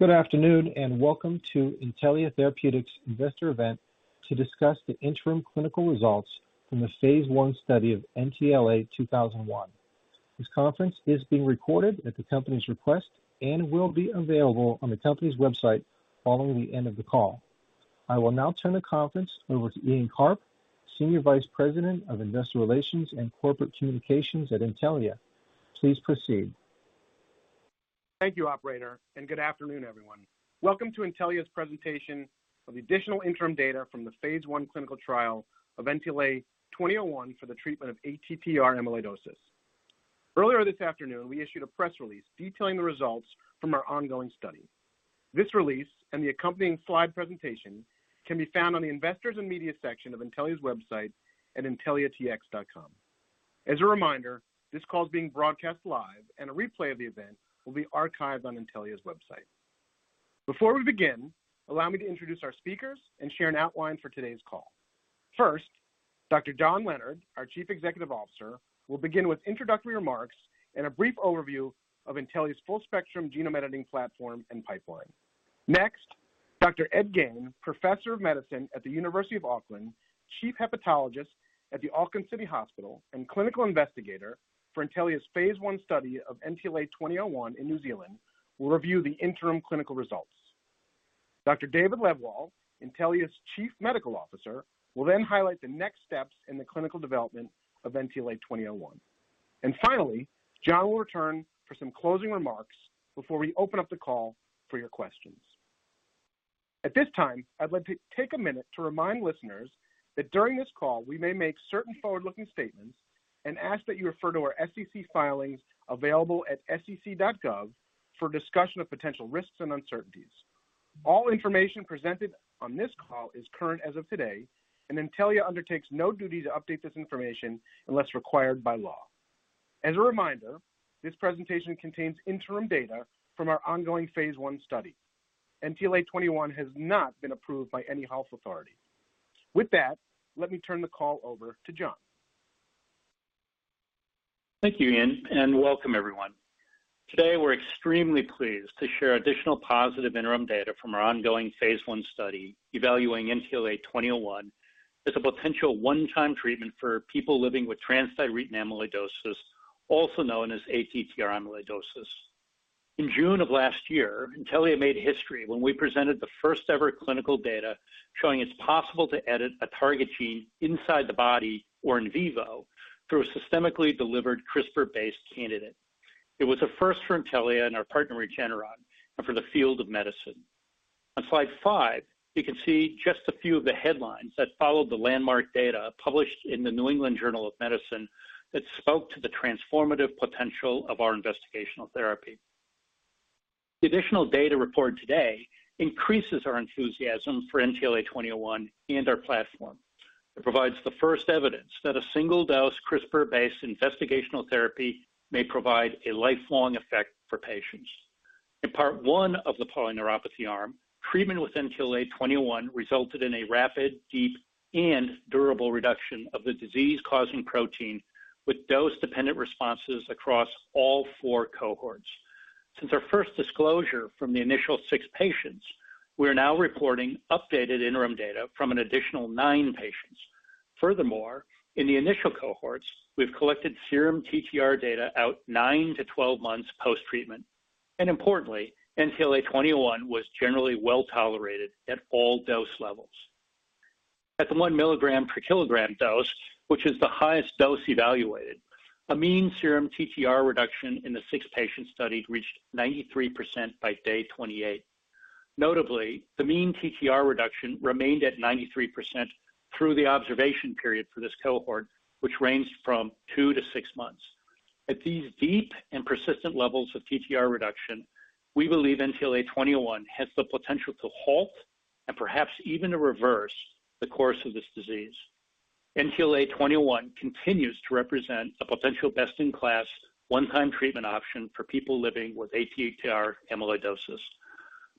Good afternoon, and welcome to Intellia Therapeutics Investor Event to discuss the interim clinical results from the phase I study of NTLA-2001. This conference is being recorded at the company's request and will be available on the company's website following the end of the call. I will now turn the conference over to Ian Karp, Senior Vice President of Investor Relations and Corporate Communications at Intellia. Please proceed. Thank you, operator, and good afternoon, everyone. Welcome to Intellia's presentation of additional interim data from the phase I clinical trial of NTLA-2001 for the treatment of ATTR amyloidosis. Earlier this afternoon, we issued a press release detailing the results from our ongoing study. This release and the accompanying slide presentation can be found on the Investors and Media section of Intellia's website at intelliatx.com. As a reminder, this call is being broadcast live, and a replay of the event will be archived on Intellia's website. Before we begin, allow me to introduce our speakers and share an outline for today's call. First, Dr. John Leonard, our Chief Executive Officer, will begin with introductory remarks and a brief overview of Intellia's full-spectrum genome editing platform and pipeline. Next, Dr. Ed Gane, Professor of Medicine at the University of Auckland, Chief Hepatologist at the Auckland City Hospital, and Clinical Investigator for Intellia's phase I study of NTLA-2001 in New Zealand, will review the interim clinical results. Dr. David Lebwohl, Intellia's Chief Medical Officer, will then highlight the next steps in the clinical development of NTLA-2001. Finally, John will return for some closing remarks before we open up the call for your questions. At this time, I'd like to take a minute to remind listeners that during this call, we may make certain forward-looking statements and ask that you refer to our SEC filings available at sec.gov for discussion of potential risks and uncertainties. All information presented on this call is current as of today, and Intellia undertakes no duty to update this information unless required by law. As a reminder, this presentation contains interim data from our ongoing phase I study. NTLA-2001 has not been approved by any health authority. With that, let me turn the call over to John. Thank you, Ian, and welcome everyone. Today, we're extremely pleased to share additional positive interim data from our ongoing phase I study evaluating NTLA-2001 as a potential one-time treatment for people living with transthyretin amyloidosis, also known as ATTR amyloidosis. In June of last year, Intellia made history when we presented the first-ever clinical data showing it's possible to edit a target gene inside the body or in vivo through a systemically delivered CRISPR-based candidate. It was a first for Intellia and our partner, Regeneron, and for the field of medicine. On slide five, you can see just a few of the headlines that followed the landmark data published in the New England Journal of Medicine that spoke to the transformative potential of our investigational therapy. The additional data reported today increases our enthusiasm for NTLA-2001 and our platform. It provides the first evidence that a single-dose CRISPR-based investigational therapy may provide a lifelong effect for patients. In part one of the polyneuropathy arm, treatment with NTLA-2001 resulted in a rapid, deep, and durable reduction of the disease-causing protein with dose-dependent responses across all four cohorts. Since our first disclosure from the initial six patients, we are now reporting updated interim data from an additional nine patients. Furthermore, in the initial cohorts, we've collected serum TTR data out 9 months-12 months post-treatment. Importantly, NTLA-2001 was generally well-tolerated at all dose levels. At the 1 mg/kg dose, which is the highest dose evaluated, a mean serum TTR reduction in the six patient study reached 93% by day 28. Notably, the mean TTR reduction remained at 93% through the observation period for this cohort, which ranged from 2 months-6 months. At these deep and persistent levels of TTR reduction, we believe NTLA-2001 has the potential to halt and perhaps even reverse the course of this disease. NTLA-2001 continues to represent a potential best-in-class, one-time treatment option for people living with ATTR amyloidosis.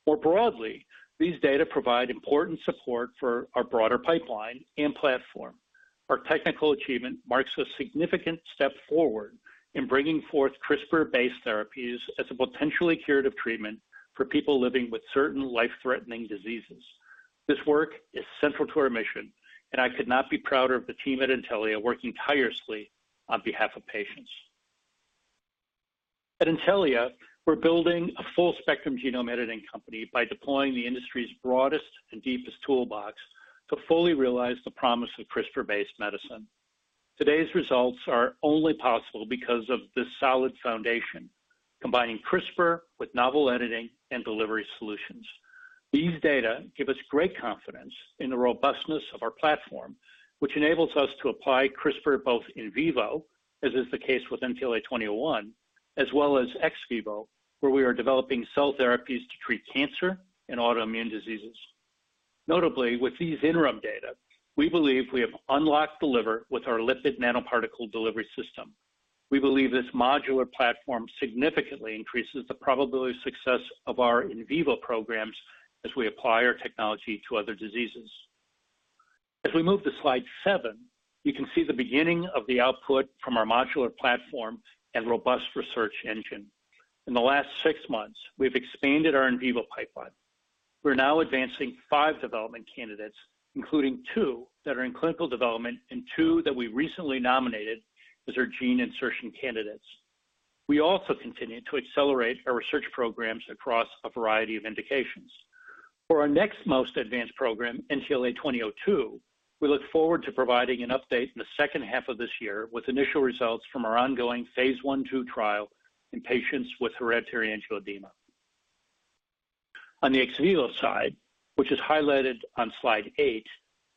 More broadly, these data provide important support for our broader pipeline and platform. Our technical achievement marks a significant step forward in bringing forth CRISPR-based therapies as a potentially curative treatment for people living with certain life-threatening diseases. This work is central to our mission, and I could not be prouder of the team at Intellia working tirelessly on behalf of patients. At Intellia, we're building a full-spectrum genome editing company by deploying the industry's broadest and deepest toolbox to fully realize the promise of CRISPR-based medicine. Today's results are only possible because of this solid foundation, combining CRISPR with novel editing and delivery solutions. These data give us great confidence in the robustness of our platform, which enables us to apply CRISPR both in vivo, as is the case with NTLA-2001, as well as ex vivo, where we are developing cell therapies to treat cancer and autoimmune diseases. Notably, with these interim data, we believe we have unlocked the liver with our lipid nanoparticle delivery system. We believe this modular platform significantly increases the probability of success of our in vivo programs as we apply our technology to other diseases. If we move to slide seven, you can see the beginning of the output from our modular platform and robust research engine. In the last 6 months, we've expanded our in vivo pipeline. We're now advancing five development candidates, including two that are in clinical development and two that we recently nominated as our gene insertion candidates. We also continue to accelerate our research programs across a variety of indications. For our next most advanced program, NTLA-2002, we look forward to providing an update in the second half of this year with initial results from our ongoing phase I/II trial in patients with hereditary angioedema. On the ex vivo side, which is highlighted on slide eight,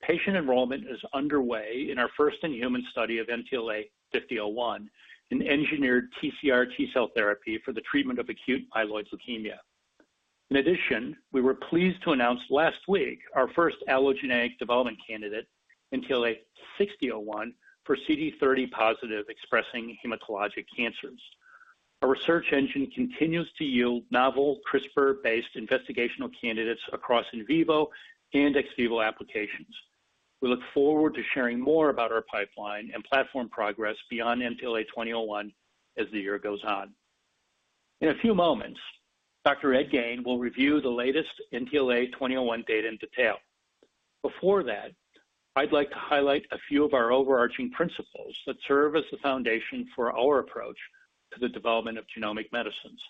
patient enrollment is underway in our first-in-human study of NTLA-5001, an engineered TCR T-cell therapy for the treatment of acute myeloid leukemia. In addition, we were pleased to announce last week our first allogeneic development candidate, NTLA-6001 for CD30-positive expressing hematologic cancers. Our research engine continues to yield novel CRISPR-based investigational candidates across in vivo and ex vivo applications. We look forward to sharing more about our pipeline and platform progress beyond NTLA-2001 as the year goes on. In a few moments, Dr. Ed Gane will review the latest NTLA-2001 data in detail. Before that, I'd like to highlight a few of our overarching principles that serve as the foundation for our approach to the development of genomic medicines.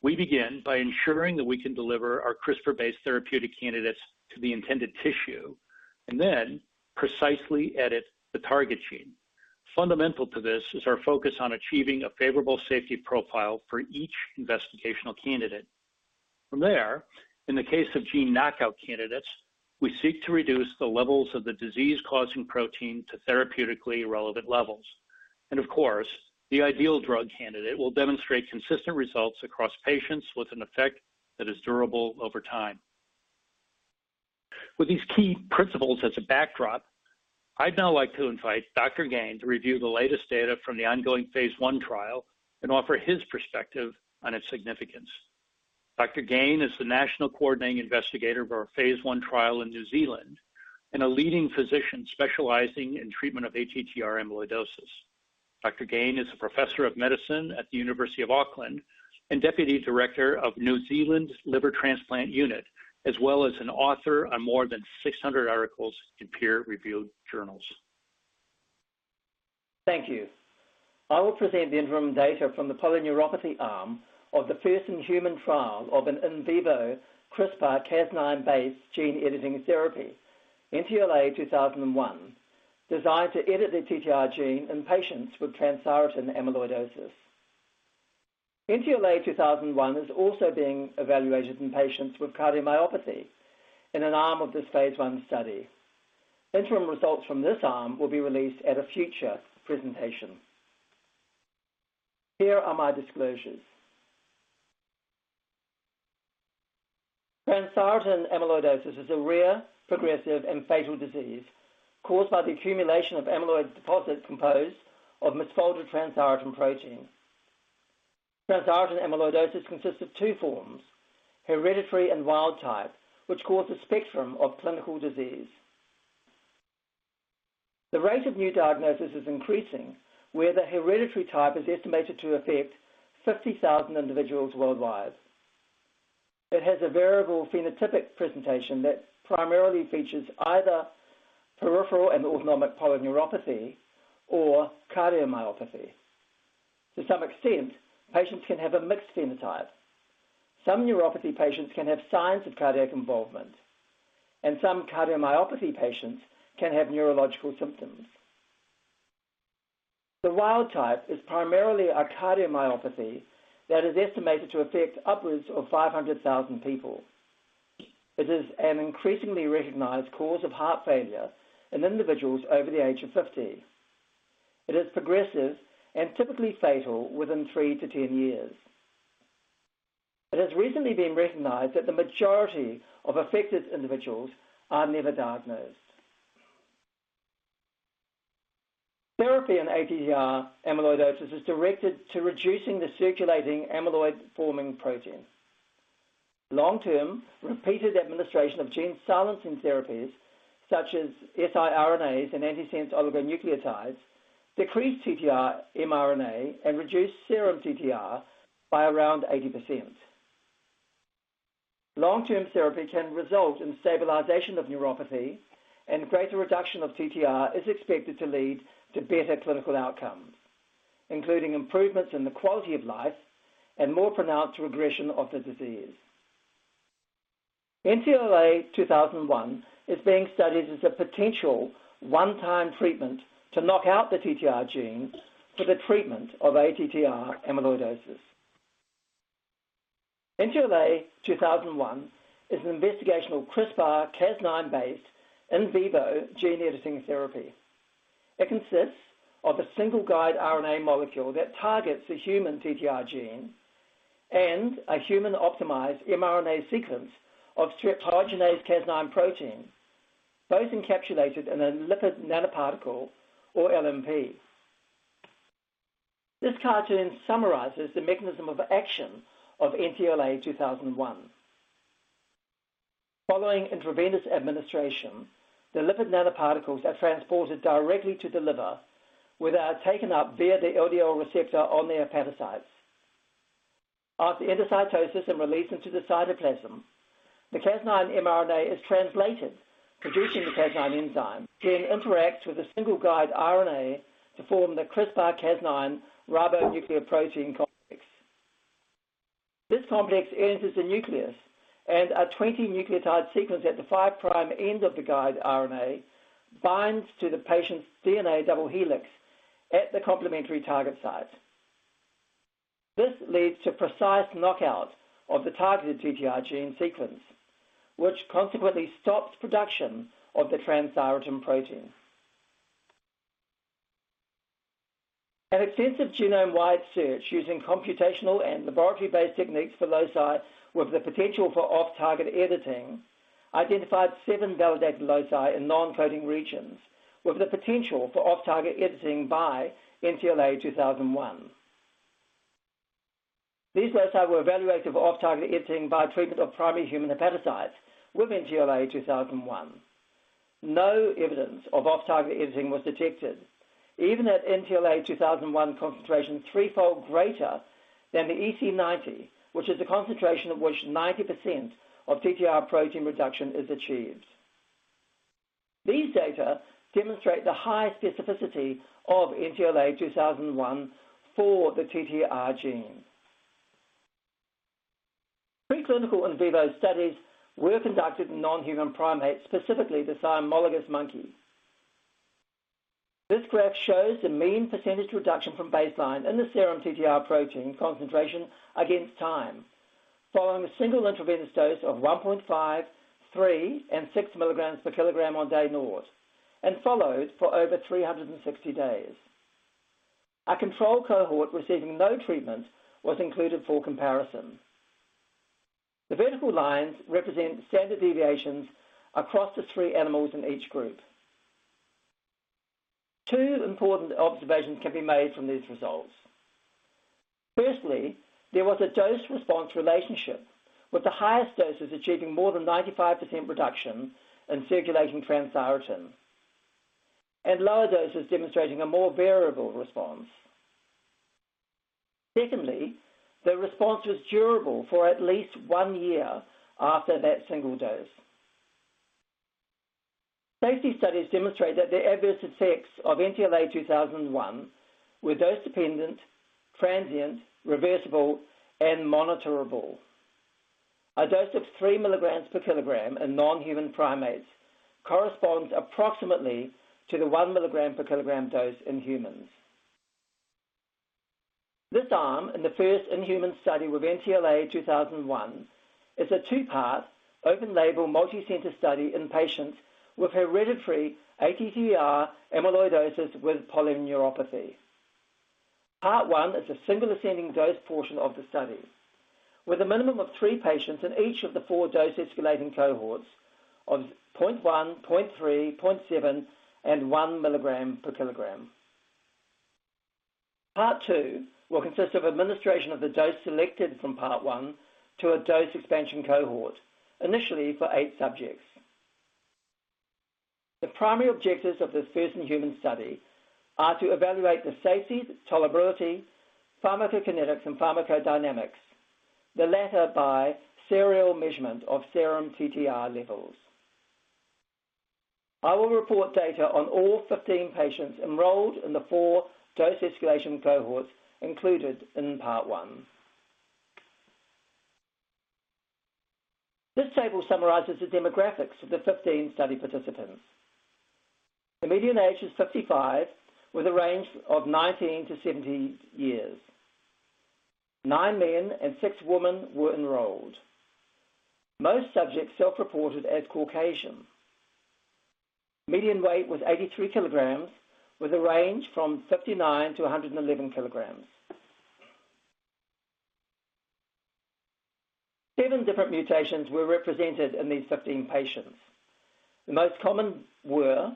We begin by ensuring that we can deliver our CRISPR-based therapeutic candidates to the intended tissue, and then precisely edit the target gene. Fundamental to this is our focus on achieving a favorable safety profile for each investigational candidate. From there, in the case of gene knockout candidates, we seek to reduce the levels of the disease-causing protein to therapeutically relevant levels. Of course, the ideal drug candidate will demonstrate consistent results across patients with an effect that is durable over time. With these key principles as a backdrop, I'd now like to invite Dr. Gane to review the latest data from the ongoing phase I trial and offer his perspective on its significance. Dr. Gane is the National Coordinating Investigator of our phase I trial in New Zealand, and a leading physician specializing in treatment of ATTR amyloidosis. Dr. Gane is a professor of medicine at the University of Auckland and Deputy Director of New Zealand's Liver Transplant Unit, as well as an author on more than 600 articles in peer-reviewed journals. Thank you. I will present the interim data from the polyneuropathy arm of the first-in-human trial of an in vivo CRISPR-Cas9 based gene editing therapy, NTLA-2001, designed to edit the TTR gene in patients with transthyretin amyloidosis. NTLA-2001 is also being evaluated in patients with cardiomyopathy in an arm of this phase I study. Interim results from this arm will be released at a future presentation. Here are my disclosures. Transthyretin amyloidosis is a rare, progressive, and fatal disease caused by the accumulation of amyloid deposits composed of misfolded transthyretin protein. Transthyretin amyloidosis consists of two forms, hereditary and wild type, which cause a spectrum of clinical disease. The rate of new diagnosis is increasing, where the hereditary type is estimated to affect 50,000 individuals worldwide. It has a variable phenotypic presentation that primarily features either peripheral and autonomic polyneuropathy or cardiomyopathy. To some extent, patients can have a mixed phenotype. Some neuropathy patients can have signs of cardiac involvement, and some cardiomyopathy patients can have neurological symptoms. The wild type is primarily a cardiomyopathy that is estimated to affect upwards of 500,000 people. It is an increasingly recognized cause of heart failure in individuals over the age of 50. It is progressive and typically fatal within 3 years-10 years. It has recently been recognized that the majority of affected individuals are never diagnosed. Therapy in ATTR amyloidosis is directed to reducing the circulating amyloid-forming protein. Long-term, repeated administration of gene silencing therapies such as siRNAs and antisense oligonucleotides decrease TTR mRNA and reduce serum TTR by around 80%. Long-term therapy can result in stabilization of neuropathy and greater reduction of TTR is expected to lead to better clinical outcomes, including improvements in the quality of life and more pronounced regression of the disease. NTLA-2001 is being studied as a potential one-time treatment to knock out the TTR gene for the treatment of ATTR amyloidosis. NTLA-2001 is an investigational CRISPR-Cas9 based in vivo gene editing therapy. It consists of a single-guide RNA molecule that targets the human TTR gene and a human optimized mRNA sequence of Streptococcus pyogenes Cas9 protein, both encapsulated in a lipid nanoparticle or LNP. This cartoon summarizes the mechanism of action of NTLA-2001. Following intravenous administration, the lipid nanoparticles are transported directly to the liver, where they are taken up via the LDL receptor on the hepatocytes. After endocytosis and release into the cytoplasm, the Cas9 mRNA is translated, producing the Cas9 enzyme, which then interacts with a single guide RNA to form the CRISPR-Cas9 ribonucleoprotein complex. This complex enters the nucleus, and a 20-nucleotide sequence at the five prime end of the guide RNA binds to the patient's DNA double helix at the complementary target site. This leads to precise knockout of the targeted TTR gene sequence, which consequently stops production of the transthyretin protein. An extensive genome-wide search using computational and laboratory-based techniques for loci with the potential for off-target editing identified seven validated loci in non-coding regions with the potential for off-target editing by NTLA-2001. These loci were evaluated for off-target editing by treatment of primary human hepatocytes with NTLA-2001. No evidence of off-target editing was detected, even at NTLA-2001 concentration threefold greater than the EC90, which is the concentration at which 90% of TTR protein reduction is achieved. These data demonstrate the high specificity of NTLA-2001 for the TTR gene. Preclinical in vivo studies were conducted in non-human primates, specifically the cynomolgus monkey. This graph shows the mean percentage reduction from baseline in the serum TTR protein concentration against time following a single intravenous dose of 1.5 mg/kg, 3 mg/kg, and 6 mg/kg on day 0 and followed for over 360 days. A control cohort receiving no treatment was included for comparison. The vertical lines represent standard deviations across the three animals in each group. Two important observations can be made from these results. Firstly, there was a dose-response relationship, with the highest doses achieving more than 95% reduction in circulating transthyretin and lower doses demonstrating a more variable response. Secondly, the response was durable for at least one year after that single dose. Safety studies demonstrate that the adverse effects of NTLA-2001 were dose-dependent, transient, reversible, and monitorable. A dose of 3 mg/kg in non-human primates corresponds approximately to the 1 mg/kg dose in humans. This arm in the first-in-human study with NTLA-2001 is a two-part, open-label, multi-center study in patients with hereditary ATTR amyloidosis with polyneuropathy. Part one is a single ascending dose portion of the study with a minimum of three patients in each of the four dose-escalating cohorts of 0.1 mg/kg, 0.3 mg/kg, 0.7 mg/kg, and 1 mg/kg. Part two will consist of administration of the dose selected from part one to a dose expansion cohort, initially for eight subjects. The primary objectives of this first in-human study are to evaluate the safety, tolerability, pharmacokinetics, and pharmacodynamics, the latter by serial measurement of serum TTR levels. I will report data on all 15 patients enrolled in the four dose escalation cohorts included in part one. This table summarizes the demographics of the 15 study participants. The median age is 55, with a range of 19 years-70 years. Nine men and six women were enrolled. Most subjects self-reported as Caucasian. Median weight was 83 kg, with a range from 59 kg-111 kg. Seven different mutations were represented in these 15 patients. The most common were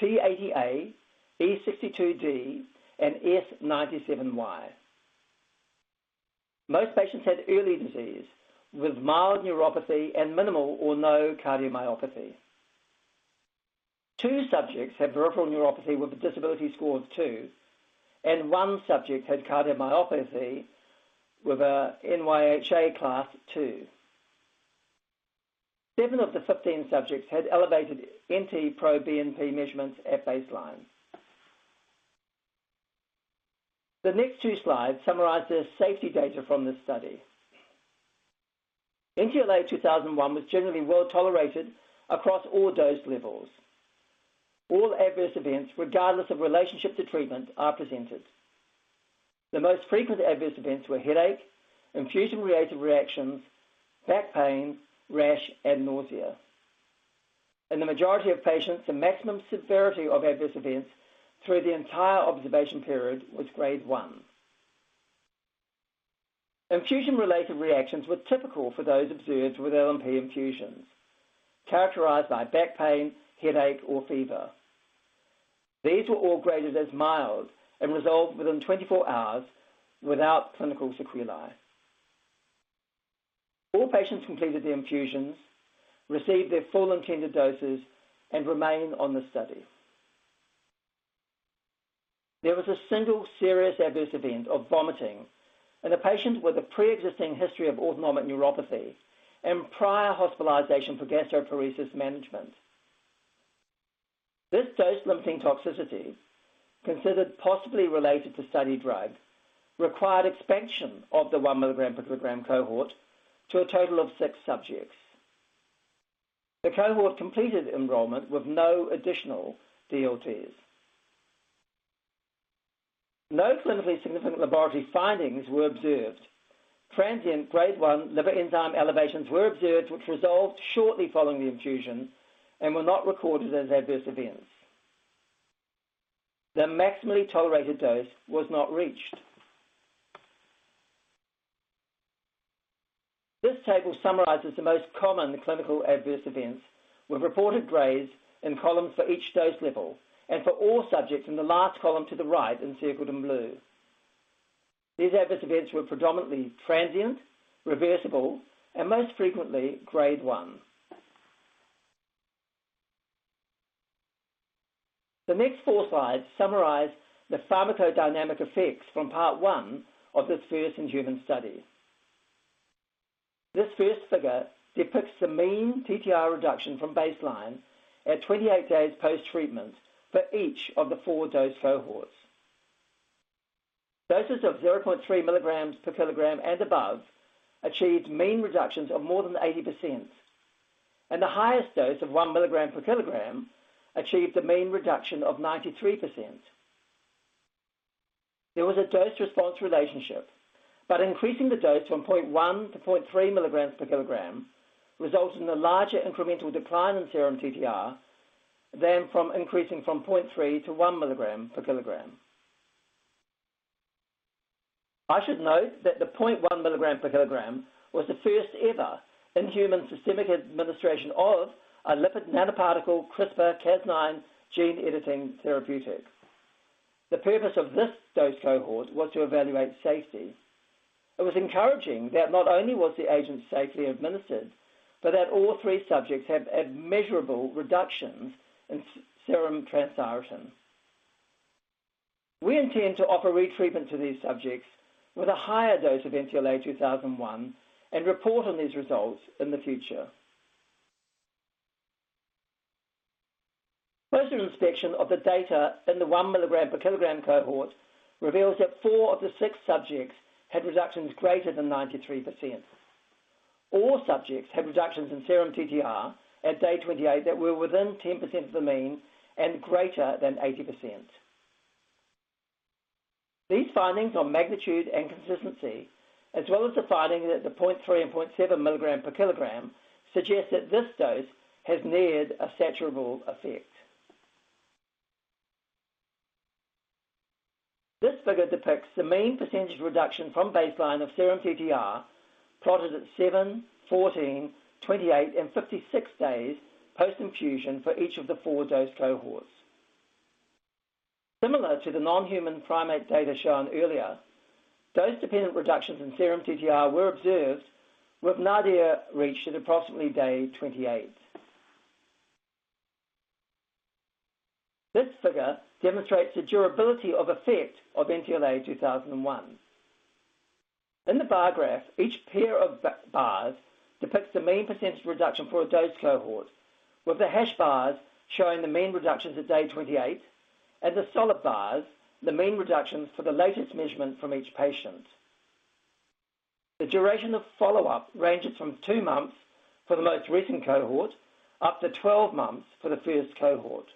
T80A, E62D, and S97Y. Most patients had early disease with mild neuropathy and minimal or no cardiomyopathy. Two subjects had peripheral neuropathy with a disability score of two, and one subject had cardiomyopathy with a NYHA class II. Seven of the 15 subjects had elevated NT-proBNP measurements at baseline. The next two slides summarize the safety data from this study. NTLA-2001 was generally well-tolerated across all dose levels. All adverse events, regardless of relationship to treatment, are presented. The most frequent adverse events were headache, infusion-related reactions, back pain, rash, and nausea. In the majority of patients, the maximum severity of adverse events through the entire observation period was grade one. Infusion-related reactions were typical for those observed with LNP infusions, characterized by back pain, headache, or fever. These were all graded as mild and resolved within 24 hours without clinical sequelae. All patients completed the infusions, received their full intended doses, and remain on the study. There was a single serious adverse event of vomiting in a patient with a pre-existing history of autonomic neuropathy and prior hospitalization for gastroparesis management. This dose-limiting toxicity, considered possibly related to study drug, required expansion of the 1 mg/kg cohort to a total of six subjects. The cohort completed enrollment with no additional DLTs. No clinically significant laboratory findings were observed. Transient grade 1 liver enzyme elevations were observed, which resolved shortly following the infusion and were not recorded as adverse events. The maximally tolerated dose was not reached. This table summarizes the most common clinical adverse events with reported grades in columns for each dose level and for all subjects in the last column to the right, encircled in blue. These adverse events were predominantly transient, reversible, and most frequently grade one. The next four slides summarize the pharmacodynamic effects from part one of this first-in-human study. This first figure depicts the mean TTR reduction from baseline at 28 days post-treatment for each of the four dose cohorts. Doses of 0.3 mg/kg and above achieved mean reductions of more than 80%, and the highest dose of 1 mg/kg achieved a mean reduction of 93%. There was a dose-response relationship, but increasing the dose from 0.1 mg/kg-0.3 mg/kg results in a larger incremental decline in serum TTR than from increasing from 0.3 mg/kg-1 mg/kg. I should note that the 0.1 mg/kg was the first ever in-human systemic administration of a lipid nanoparticle CRISPR-Cas9 gene-editing therapeutic. The purpose of this dose cohort was to evaluate safety. It was encouraging that not only was the agent safely administered, but that all three subjects had measurable reductions in serum transthyretin. We intend to offer retreatment to these subjects with a higher dose of NTLA-2001 and report on these results in the future. Closer inspection of the data in the 1 mg/kg cohort reveals that four of the six subjects had reductions greater than 93%. All subjects had reductions in serum TTR at day 28 that were within 10% of the mean and greater than 80%. These findings on magnitude and consistency, as well as the finding that the 0.3 mg/kg and 0.7 mg/kg, suggest that this dose has neared a saturable effect. This figure depicts the mean percentage reduction from baseline of serum TTR plotted at 7, 14, 28, and 56 days post-infusion for each of the four dose cohorts. Similar to the non-human primate data shown earlier, dose-dependent reductions in serum TTR were observed, with nadir reached at approximately day 28. This figure demonstrates the durability of effect of NTLA-2001. In the bar graph, each pair of blue bars depicts the mean percentage reduction for a dose cohort, with the hatched bars showing the mean reductions at day 28 and the solid bars the mean reductions for the latest measurement from each patient. The duration of follow-up ranges from two months for the most recent cohort, up to 12 months for the first cohort.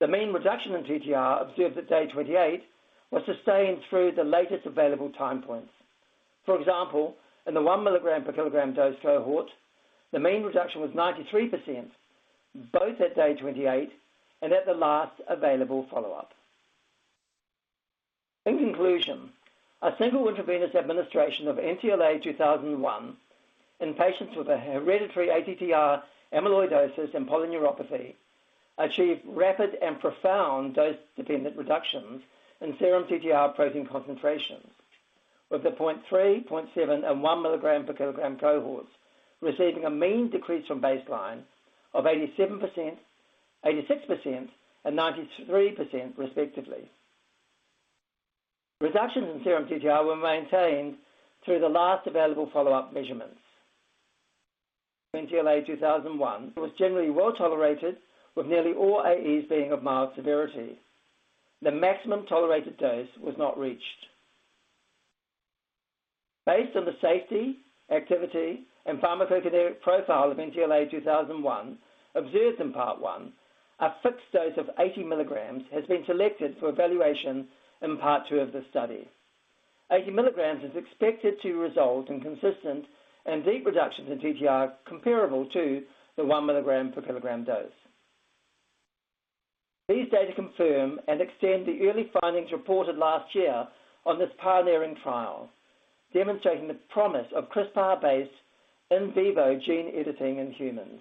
The mean reduction in TTR observed at day 28 was sustained through the latest available time points. For example, in the 1 mg/kg dose cohort, the mean reduction was 93%, both at day 28 and at the last available follow-up. In conclusion, a single intravenous administration of NTLA-2001 in patients with hereditary ATTR amyloidosis and polyneuropathy achieved rapid and profound dose-dependent reductions in serum TTR protein concentrations, with the 0.3 mg/kg, 0.7 mg/kg, and 1 mg/kg cohorts receiving a mean decrease from baseline of 87%, 86%, and 93% respectively. Reductions in serum TTR were maintained through the last available follow-up measurements. NTLA-2001 was generally well-tolerated, with nearly all AEs being of mild severity. The maximum tolerated dose was not reached. Based on the safety, activity, and pharmacodynamic profile of NTLA-2001 observed in part one, a fixed dose of 80 mg has been selected for evaluation in part two of the study. 80 mg is expected to result in consistent and deep reductions in TTR comparable to the 1 mg/kg dose. These data confirm and extend the early findings reported last year on this pioneering trial, demonstrating the promise of CRISPR-based in vivo gene editing in humans.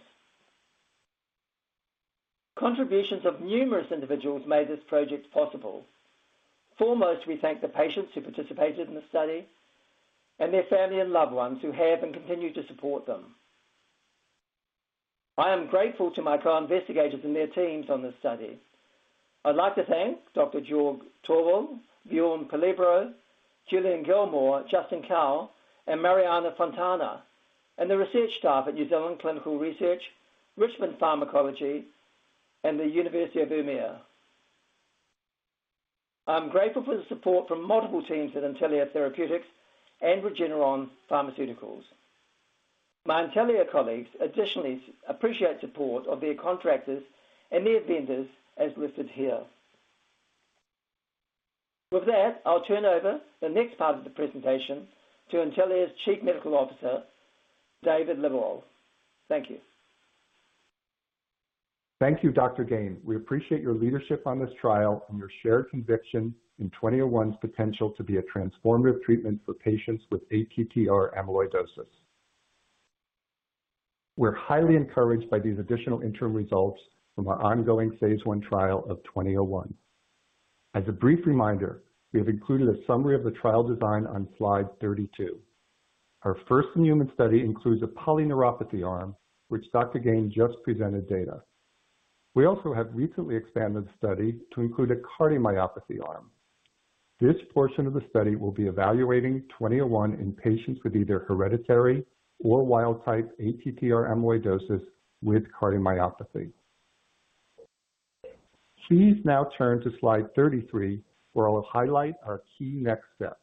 Contributions of numerous individuals made this project possible. Foremost, we thank the patients who participated in the study and their family and loved ones who have and continue to support them. I am grateful to my co-investigators and their teams on this study. I'd like to thank Dr. Georg Thorwirth, Björn Pilebro, Julian Gillmore, Justin Kao, and Marianna Fontana, and the research staff at New Zealand Clinical Research, Richmond Pharmacology, and Umeå University. I'm grateful for the support from multiple teams at Intellia Therapeutics and Regeneron Pharmaceuticals. My Intellia colleagues additionally appreciate support of their contractors and their vendors as listed here. With that, I'll turn over the next part of the presentation to Intellia's Chief Medical Officer, David Lebwohl. Thank you. Thank you, Dr. Gane. We appreciate your leadership on this trial and your shared conviction in NTLA-2001's potential to be a transformative treatment for patients with ATTR amyloidosis. We're highly encouraged by these additional interim results from our ongoing phase I trial of NTLA-2001. As a brief reminder, we have included a summary of the trial design on slide 32. Our first-in-human study includes a polyneuropathy arm, which Dr. Gane just presented data. We also have recently expanded the study to include a cardiomyopathy arm. This portion of the study will be evaluating NTLA-2001 in patients with either hereditary or wild type ATTR amyloidosis with cardiomyopathy. Please now turn to slide 33, where I'll highlight our key next steps.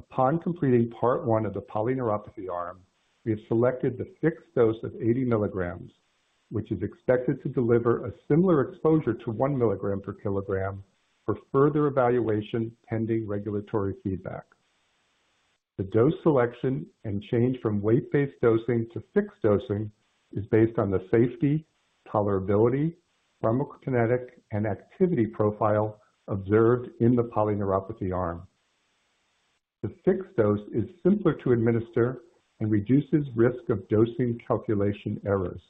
Upon completing part one of the polyneuropathy arm, we have selected the fixed dose of 80 mg, which is expected to deliver a similar exposure to 1 mg/kg for further evaluation pending regulatory feedback. The dose selection and change from weight-based dosing to fixed dosing is based on the safety, tolerability, pharmacokinetic, and activity profile observed in the polyneuropathy arm. The fixed dose is simpler to administer and reduces risk of dosing calculation errors.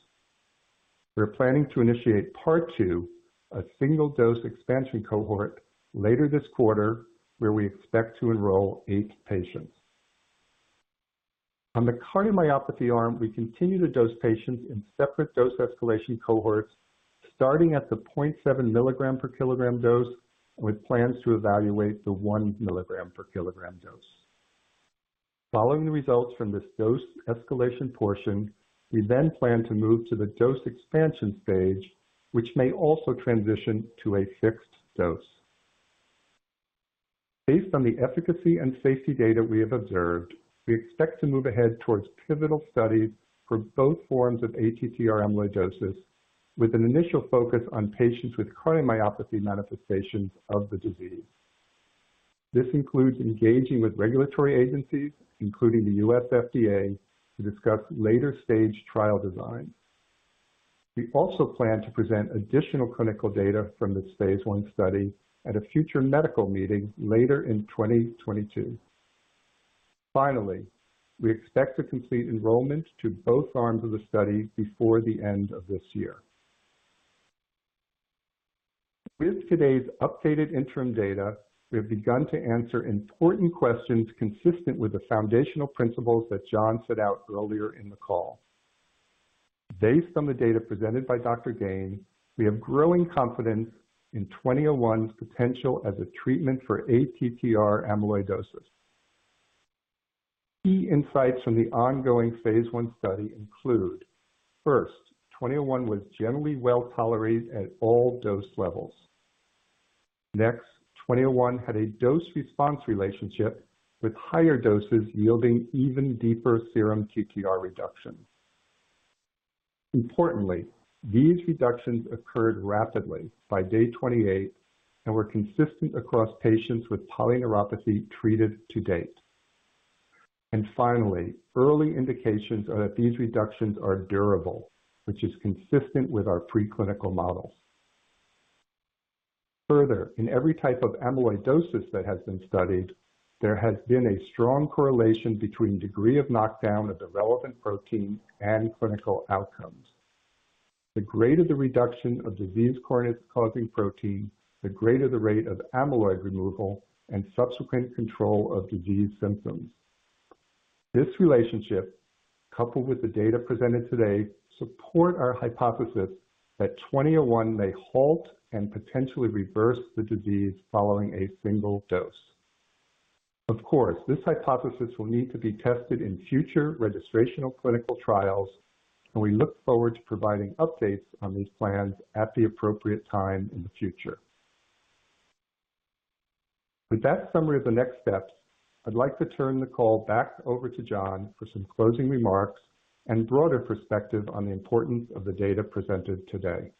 We're planning to initiate part two, a single-dose expansion cohort later this quarter, where we expect to enroll eight patients. On the cardiomyopathy arm, we continue to dose patients in separate dose escalation cohorts, starting at the 0.7 mg/kg dose, with plans to evaluate the 1 mg/kg dose. Following the results from this dose escalation portion, we then plan to move to the dose expansion stage, which may also transition to a fixed dose. Based on the efficacy and safety data we have observed, we expect to move ahead towards pivotal studies for both forms of ATTR amyloidosis, with an initial focus on patients with cardiomyopathy manifestations of the disease. This includes engaging with regulatory agencies, including the U.S. FDA, to discuss later-stage trial designs. We also plan to present additional clinical data from this phase I study at a future medical meeting later in 2022. Finally, we expect to complete enrollment to both arms of the study before the end of this year. With today's updated interim data, we have begun to answer important questions consistent with the foundational principles that John set out earlier in the call. Based on the data presented by Dr. Gane, we have growing confidence in NTLA-2001's potential as a treatment for ATTR amyloidosis. Key insights from the ongoing phase I study include, first, NTLA-2001 was generally well-tolerated at all dose levels. Next, NTLA-2001 had a dose-response relationship, with higher doses yielding even deeper serum TTR reduction. Importantly, these reductions occurred rapidly by day 28 and were consistent across patients with polyneuropathy treated to date. Finally, early indications are that these reductions are durable, which is consistent with our preclinical model. Further, in every type of amyloidosis that has been studied, there has been a strong correlation between degree of knockdown of the relevant protein and clinical outcomes. The greater the reduction of disease-causing protein, the greater the rate of amyloid removal and subsequent control of disease symptoms. This relationship, coupled with the data presented today, support our hypothesis that NTLA-2001 may halt and potentially reverse the disease following a single dose. Of course, this hypothesis will need to be tested in future registrational clinical trials, and we look forward to providing updates on these plans at the appropriate time in the future. With that summary of the next steps, I'd like to turn the call back over to John for some closing remarks and broader perspective on the importance of the data presented today.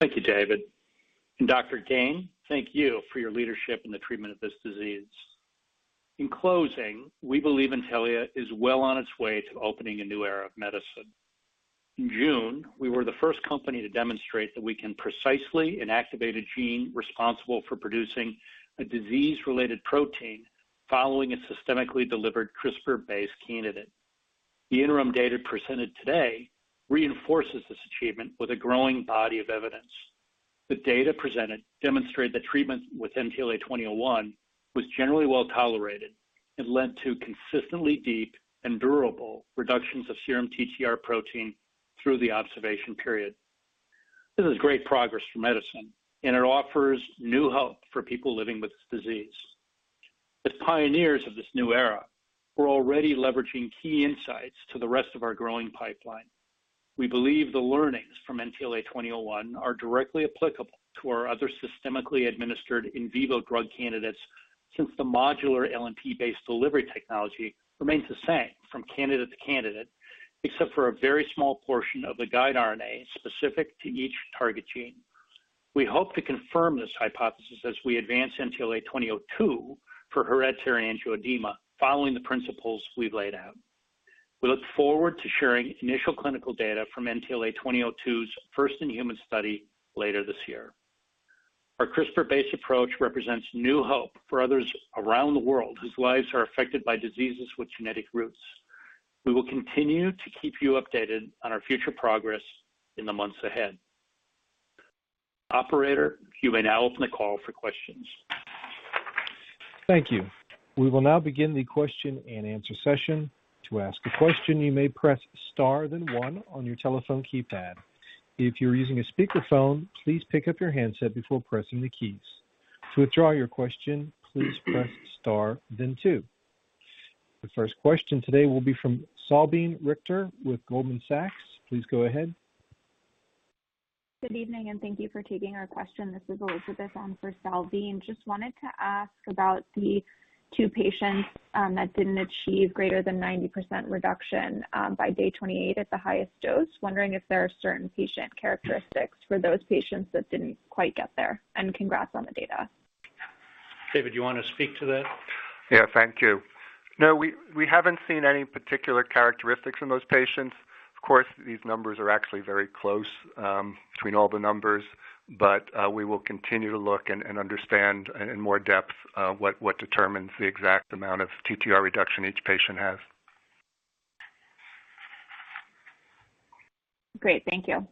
Thank you, David. Dr. Gane, thank you for your leadership in the treatment of this disease. In closing, we believe Intellia is well on its way to opening a new era of medicine. In June, we were the first company to demonstrate that we can precisely inactivate a gene responsible for producing a disease-related protein following a systemically delivered CRISPR-based candidate. The interim data presented today reinforces this achievement with a growing body of evidence. The data presented demonstrate that treatment with NTLA-2001 was generally well-tolerated and led to consistently deep and durable reductions of serum TTR protein through the observation period. This is great progress for medicine, and it offers new hope for people living with this disease. As pioneers of this new era, we're already leveraging key insights to the rest of our growing pipeline. We believe the learnings from NTLA-2001 are directly applicable to our other systemically administered in vivo drug candidates, since the modular LNP-based delivery technology remains the same from candidate to candidate, except for a very small portion of the guide RNA specific to each target gene. We hope to confirm this hypothesis as we advance NTLA-2002 for hereditary angioedema following the principles we've laid out. We look forward to sharing initial clinical data from NTLA-2002's first-in-human study later this year. Our CRISPR-based approach represents new hope for others around the world whose lives are affected by diseases with genetic roots. We will continue to keep you updated on our future progress in the months ahead. Operator, you may now open the call for questions. Thank you. We will now begin the question-and-answer session. To ask a question, you may press star then one on your telephone keypad. If you're using a speakerphone, please pick up your handset before pressing the keys. To withdraw your question, please press star then two. The first question today will be from Salveen Richter with Goldman Sachs. Please go ahead. Good evening, and thank you for taking our question. This is Elizabeth on for Salveen. Just wanted to ask about the two patients that didn't achieve greater than 90% reduction by day 28 at the highest dose. Wondering if there are certain patient characteristics for those patients that didn't quite get there? And congrats on the data. David, you wanna speak to that? Yeah, thank you. No, we haven't seen any particular characteristics in those patients. Of course, these numbers are actually very close between all the numbers, but we will continue to look and understand in more depth what determines the exact amount of TTR reduction each patient has. Great. Thank you.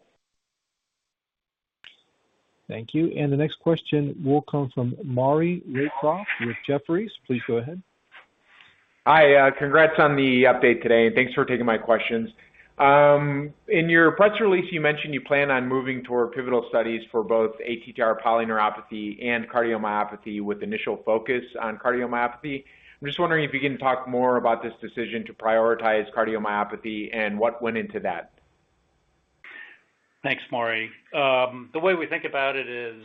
Thank you. The next question will come from Maury Raycroft with Jefferies. Please go ahead. Hi, congrats on the update today, and thanks for taking my questions. In your press release, you mentioned you plan on moving toward pivotal studies for both ATTR polyneuropathy and cardiomyopathy with initial focus on cardiomyopathy. I'm just wondering if you can talk more about this decision to prioritize cardiomyopathy and what went into that. Thanks, Maury. The way we think about it is,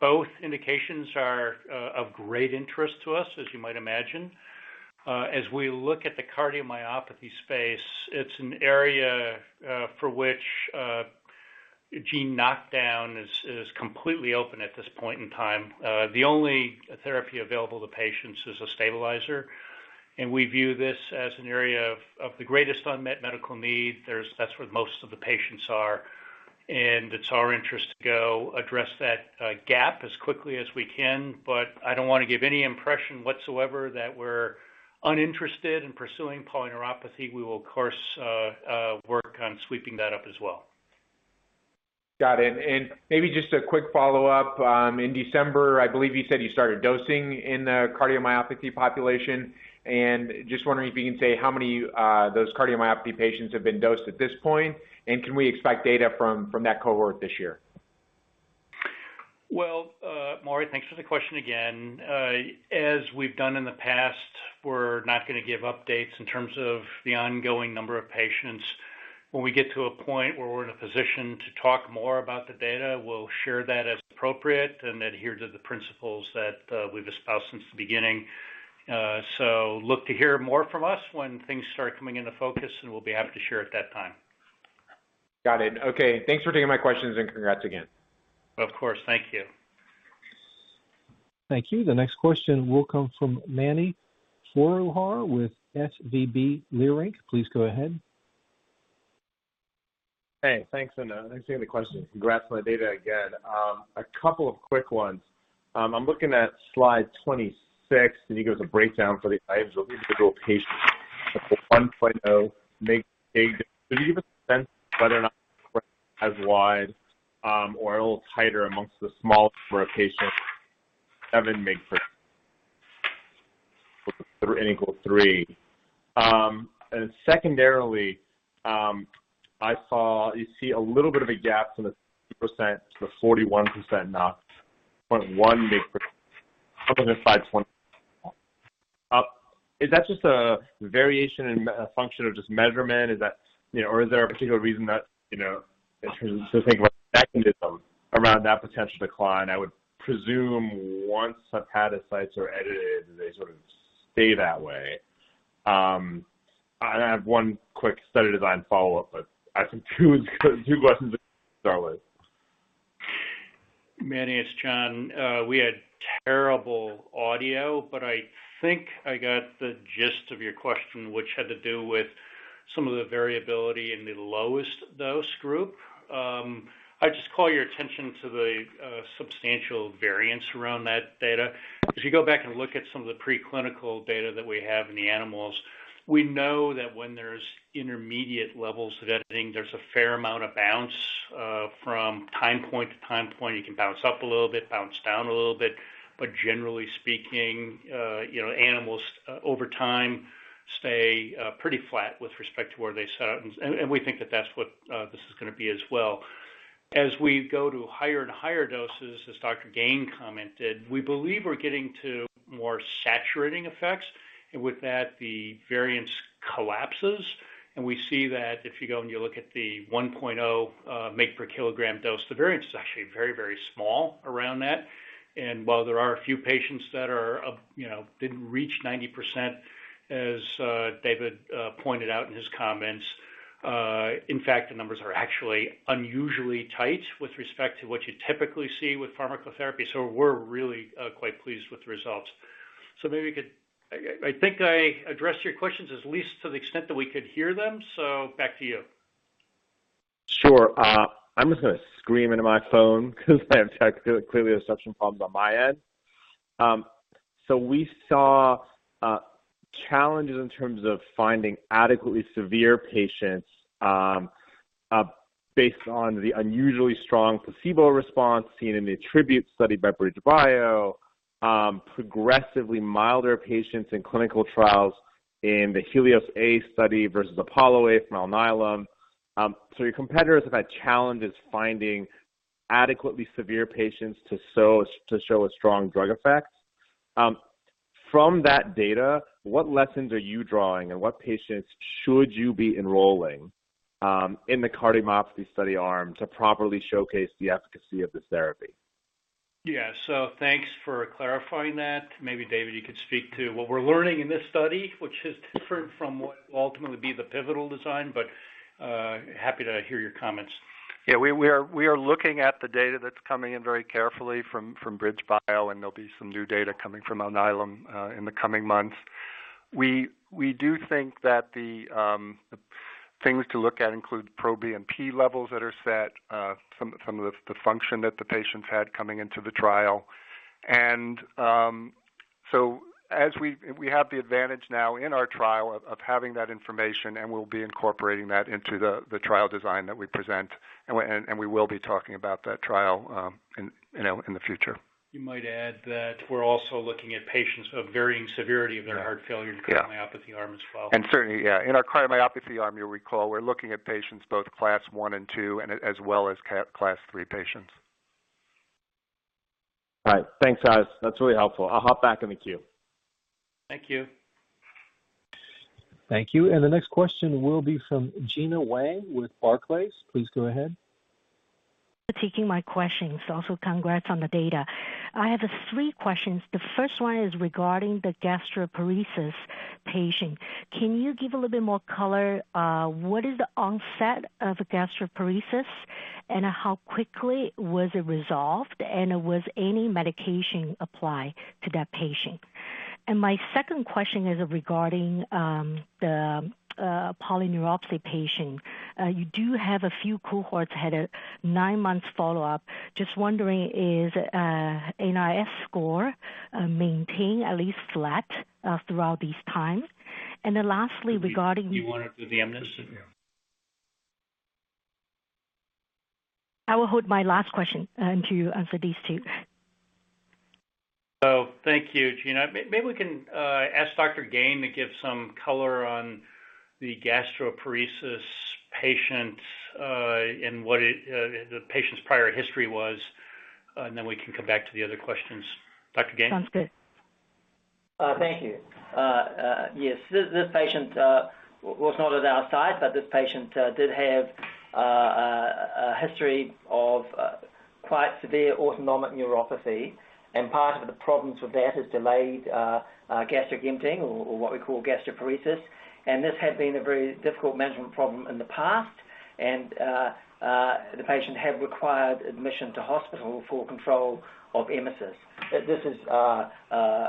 both indications are of great interest to us, as you might imagine. As we look at the cardiomyopathy space, it's an area for which gene knockdown is completely open at this point in time. The only therapy available to patients is a stabilizer, and we view this as an area of the greatest unmet medical need. That's where most of the patients are, and it's our interest to go address that gap as quickly as we can. I don't wanna give any impression whatsoever that we're uninterested in pursuing polyneuropathy. We will of course work on sweeping that up as well. Got it. Maybe just a quick follow-up. In December, I believe you said you started dosing in the cardiomyopathy population. Just wondering if you can say how many those cardiomyopathy patients have been dosed at this point, and can we expect data from that cohort this year? Well, Maury, thanks for the question again. As we've done in the past, we're not gonna give updates in terms of the ongoing number of patients. When we get to a point where we're in a position to talk more about the data, we'll share that as appropriate and adhere to the principles that we've espoused since the beginning. Look to hear more from us when things start coming into focus, and we'll be happy to share at that time. Got it. Okay. Thanks for taking my questions, and congrats again. Of course. Thank you. Thank you. The next question will come from Mani Foroohar with Leerink Partners. Please go ahead. Hey, thanks. Thanks for taking the question. Congrats on the data again. A couple of quick ones. I'm looking at slide 26, and it gives a breakdown for the individual patients. The 1.0 mg/kg. Can you give a sense whether or not it's as wide or a little tighter amongst the smaller patients 0.7 mg/kg, and secondarily, I see a little bit of a gap from the 2%-41% knockdown 1.0 mg/kg. Is that just a variation in function of just measurement? You know, or is there a particular reason that, you know, in terms of thinking about mechanism around that potential decline? I would presume once hepatocytes are edited, they sort of stay that way. I have one quick study design follow-up, but I think two questions to start with. Mani, it's John Leonard. We had terrible audio, but I think I got the gist of your question, which had to do with some of the variability in the lowest dose group. I just call your attention to the substantial variance around that data. If you go back and look at some of the preclinical data that we have in the animals, we know that when there's intermediate levels of editing, there's a fair amount of bounce from time point to time point. You can bounce up a little bit, bounce down a little bit. But generally speaking, you know, animals over time stay pretty flat with respect to where they set out. We think that that's what this is gonna be as well. As we go to higher and higher doses, as Dr. Gane commented, we believe we're getting to more saturating effects, and with that, the variance collapses. We see that if you go and you look at the 1.0 mg/kg dose, the variance is actually very, very small around that. While there are a few patients that are up, you know, didn't reach 90%, as David pointed out in his comments, in fact, the numbers are actually unusually tight with respect to what you typically see with pharmacotherapy. We're really quite pleased with the results. Maybe you could. I think I addressed your questions at least to the extent that we could hear them. Back to you. Sure. I'm just gonna scream into my phone 'cause I clearly have reception problems on my end. We saw challenges in terms of finding adequately severe patients based on the unusually strong placebo response seen in the ATTRibute-CM study by BridgeBio, progressively milder patients in clinical trials in the HELIOS-A study versus APOLLO-B from Alnylam. Your competitors have had challenges finding adequately severe patients to show a strong drug effect. From that data, what lessons are you drawing and what patients should you be enrolling in the cardiomyopathy study arm to properly showcase the efficacy of this therapy? Yeah. Thanks for clarifying that. Maybe, David, you could speak to what we're learning in this study, which is different from what will ultimately be the pivotal design, but happy to hear your comments. Yeah, we are looking at the data that's coming in very carefully from BridgeBio, and there'll be some new data coming from Alnylam in the coming months. We do think that the things to look at include proBNP levels that are set, some of the function that the patients had coming into the trial. We have the advantage now in our trial of having that information, and we'll be incorporating that into the trial design that we present. We will be talking about that trial, you know, in the future. You might add that we're also looking at patients of varying severity of their heart failure. Yeah. In the cardiomyopathy arm as well. Certainly, yeah. In our cardiomyopathy arm, you'll recall we're looking at patients both Class I and II, as well as Class III patients. All right. Thanks, guys. That's really helpful. I'll hop back in the queue. Thank you. Thank you. The next question will be from Gena Wang with Barclays. Please go ahead. for taking my questions. Also congrats on the data. I have three questions. The first one is regarding the gastroparesis patient. Can you give a little bit more color? What is the onset of gastroparesis, and how quickly was it resolved, and was any medication applied to that patient? My second question is regarding the polyneuropathy patient. You do have a few cohorts had a nine months follow-up. Just wondering, is NIS score maintained at least flat throughout these times? Then lastly, regarding- Do you wanna do the mNIS+7? Yeah. I will hold my last question until you answer these two. Thank you, Gina. Maybe we can ask Dr. Gane to give some color on the gastroparesis patient, and the patient's prior history was, and then we can come back to the other questions. Dr. Gane? Sounds good. Thank you. Yes. This patient was not at our site, but this patient did have a history of quite severe autonomic neuropathy. Part of the problems with that is delayed gastric emptying or what we call gastroparesis. This had been a very difficult management problem in the past. The patient had required admission to hospital for control of emesis. This is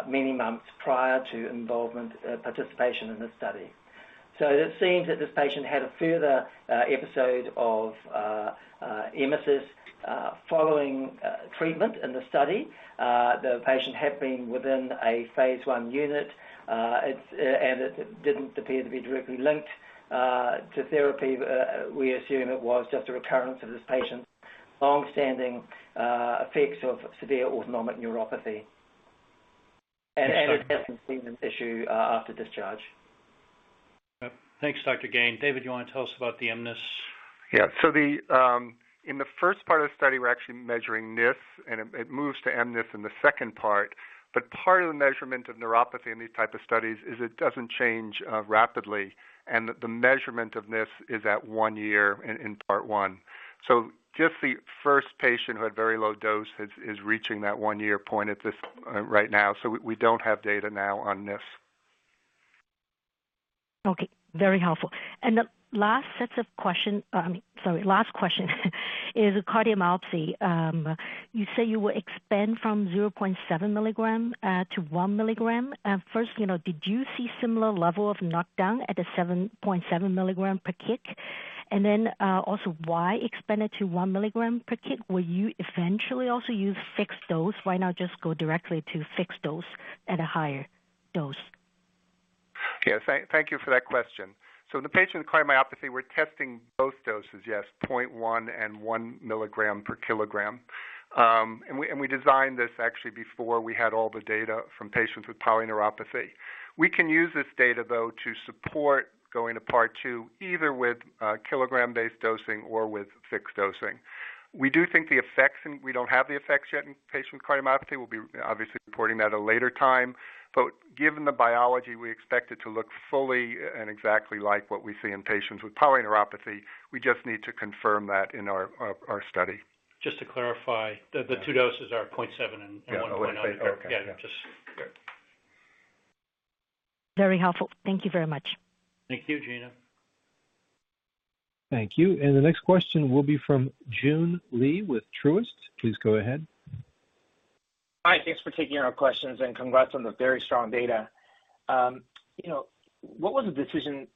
many months prior to involvement, participation in this study. It seems that this patient had a further episode of emesis following treatment in the study. The patient had been within a phase I unit, and it didn't appear to be directly linked to therapy. We assume it was just a recurrence of this patient's long-standing effects of severe autonomic neuropathy. It hasn't been an issue after discharge. Thanks, Dr. Gane. David, you wanna tell us about the mNIS+7? Yeah. In the first part of the study, we're actually measuring NIF, and it moves to mNIS+7 in the second part. Part of the measurement of neuropathy in these type of studies is it doesn't change rapidly and that the measurement of NIF is at one year in part one. Just the first patient who had very low dose is reaching that one-year point at this right now. We don't have data now on NIF. Okay, very helpful. The last question is cardiomyopathy. You say you will expand from 0.7 mg-1 mg. First, you know, did you see similar level of knockdown at the 0.7 mg/kg? Also, why expand it to 1 mg/kg? Will you eventually also use fixed dose? Why not just go directly to fixed dose at a higher dose? Yes, thank you for that question. The patient cardiomyopathy, we're testing both doses, yes, 0.1 mg/kg and 1 mg/kg. And we designed this actually before we had all the data from patients with polyneuropathy. We can use this data, though, to support going to part two, either with kilogram-based dosing or with fixed dosing. We do think the effects and we don't have the effects yet in patient cardiomyopathy. We'll be obviously reporting that at a later time. Given the biology, we expect it to look fully and exactly like what we see in patients with polyneuropathy. We just need to confirm that in our study. Just to clarify, the two doses are 0.7 mg/kg and 1 mg/kg point- Yeah. Okay. Yeah. Yeah, just. Good. Very helpful. Thank you very much. Thank you, Gena. Thank you. The next question will be from Joon Lee with Truist. Please go ahead. Hi. Thanks for taking our questions, and congrats on the very strong data. You know, what was the decision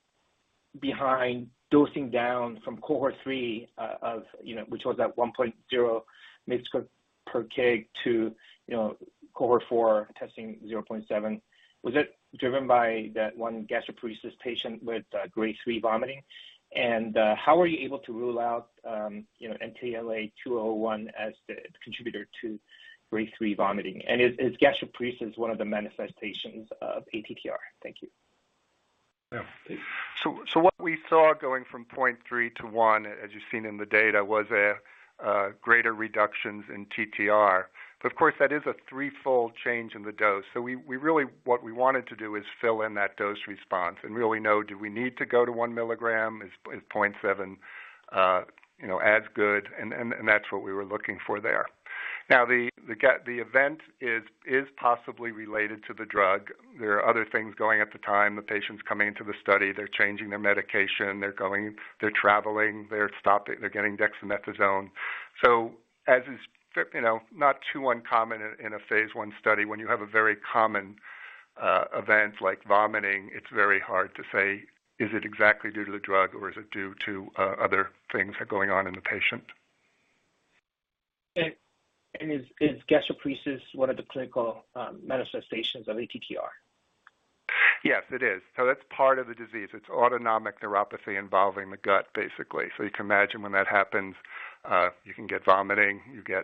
behind dosing down from cohort three, you know, which was at 1.0 mg/kg to, you know, cohort four testing 0.7. Was it driven by that one gastroparesis patient with grade three vomiting? And how were you able to rule out NTLA-2001 as the contributor to grade three vomiting? And is gastroparesis one of the manifestations of ATTR? Thank you. Yeah. What we saw going from 0.3 mg/kg-1 mg/kg, as you've seen in the data, was a greater reductions in TTR. But of course, that is a threefold change in the dose. We really what we wanted to do is fill in that dose response and really know, do we need to go to 1 mg? Is .7 mg/kg as good? And that's what we were looking for there. Now, the event is possibly related to the drug. There are other things going on at the time. The patient's coming into the study, they're changing their medication, they're going, they're traveling, they're stopping, they're getting dexamethasone. As is, you know, not too uncommon in a phase I study, when you have a very common event like vomiting, it's very hard to say, is it exactly due to the drug or is it due to other things that are going on in the patient. Is gastroparesis one of the clinical manifestations of ATTR? Yes, it is. That's part of the disease. It's autonomic neuropathy involving the gut, basically. You can imagine when that happens, you get vomiting, you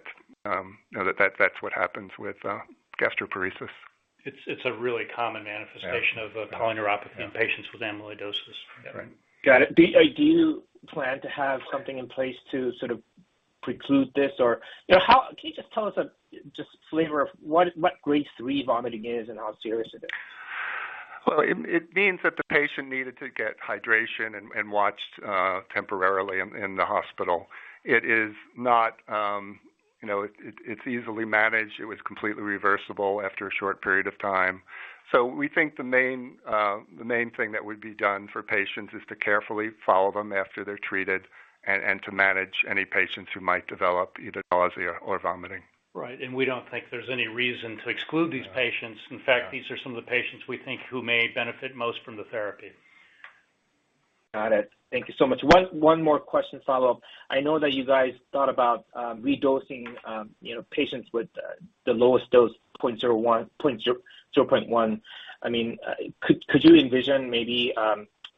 know, that's what happens with gastroparesis. It's a really common manifestation- Yeah. of a polyneuropathy in patients with amyloidosis. Right. Got it. Do you plan to have something in place to sort of preclude this or, you know, how? Can you just tell us just a flavor of what grade three vomiting is and how serious it is? Well, it means that the patient needed to get hydration and watched temporarily in the hospital. It is not. It's easily managed. It was completely reversible after a short period of time. We think the main thing that would be done for patients is to carefully follow them after they're treated and to manage any patients who might develop either nausea or vomiting. Right. We don't think there's any reason to exclude these patients. Yeah. In fact, these are some of the patients we think who may benefit most from the therapy. Got it. Thank you so much. One more question follow-up. I know that you guys thought about redosing, you know, patients with the lowest dose, 0.01 mg/kg, 0.1 mg/kg I mean, could you envision maybe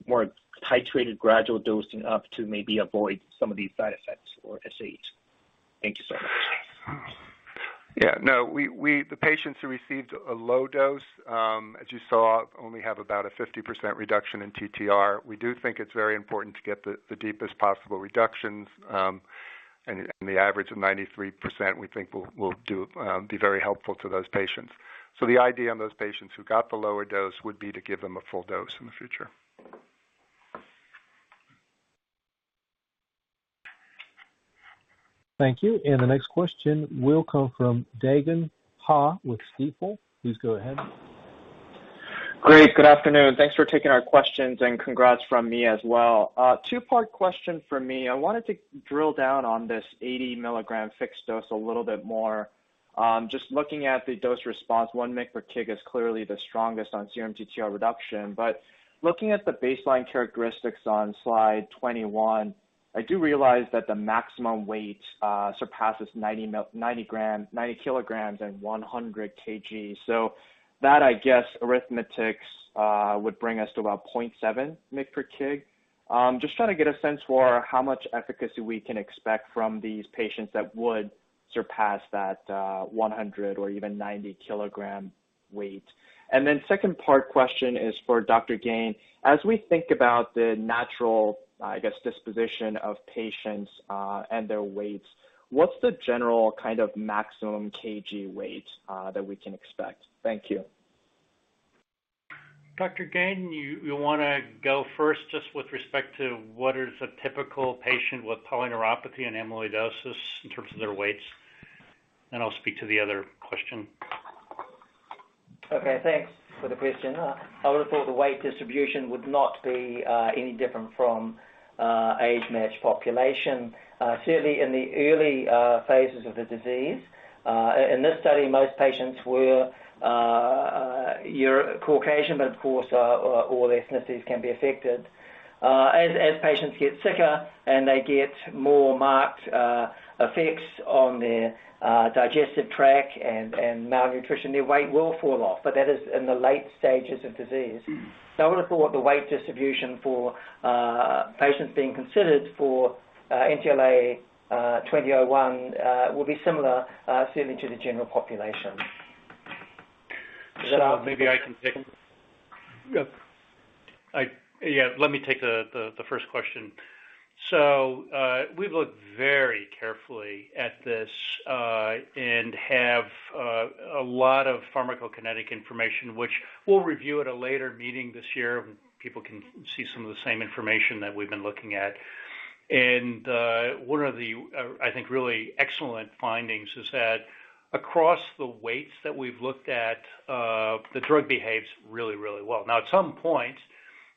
more titrated gradual dosing up to maybe avoid some of these side effects or SHs? Thank you so much. Yeah. No. The patients who received a low dose, as you saw, only have about a 50% reduction in TTR. We do think it's very important to get the deepest possible reductions, and the average of 93% we think will do be very helpful to those patients. The idea on those patients who got the lower dose would be to give them a full dose in the future. Thank you. The next question will come from Dae Gon Ha with Stifel. Please go ahead. Great. Good afternoon. Thanks for taking our questions, and congrats from me as well. Two-part question from me. I wanted to drill down on this 80 mg fixed dose a little bit more. Just looking at the dose response, 1 mg/kg is clearly the strongest on serum TTR reduction. But looking at the baseline characteristics on slide 21, I do realize that the maximum weight surpasses 90 kg and 100 kg. So that, I guess, arithmetic would bring us to about 0.7 mg/kg. Just trying to get a sense for how much efficacy we can expect from these patients that would surpass that 100 kg or even 90 kg weight. Then second part question is for Dr. Gane. As we think about the natural, I guess, disposition of patients, and their weights, what's the general kind of maximum kg weight, that we can expect? Thank you. Dr. Gane, you wanna go first just with respect to what is a typical patient with polyneuropathy and amyloidosis in terms of their weights? I'll speak to the other question. Okay, thanks for the question. I would have thought the weight distribution would not be any different from age-matched population, certainly in the early phases of the disease. In this study, most patients were Euro-Caucasian, but of course, all ethnicities can be affected. As patients get sicker and they get more marked effects on their digestive tract and malnutrition, their weight will fall off, but that is in the late stages of disease. I would have thought the weight distribution for patients being considered for NTLA-2001 will be similar, certainly to the general population. Maybe I can take. Yeah. Yeah, let me take the first question. We've looked very carefully at this and have a lot of pharmacokinetic information, which we'll review at a later meeting this year. People can see some of the same information that we've been looking at. One of the, I think really excellent findings is that across the weights that we've looked at, the drug behaves really, really well. Now, at some point,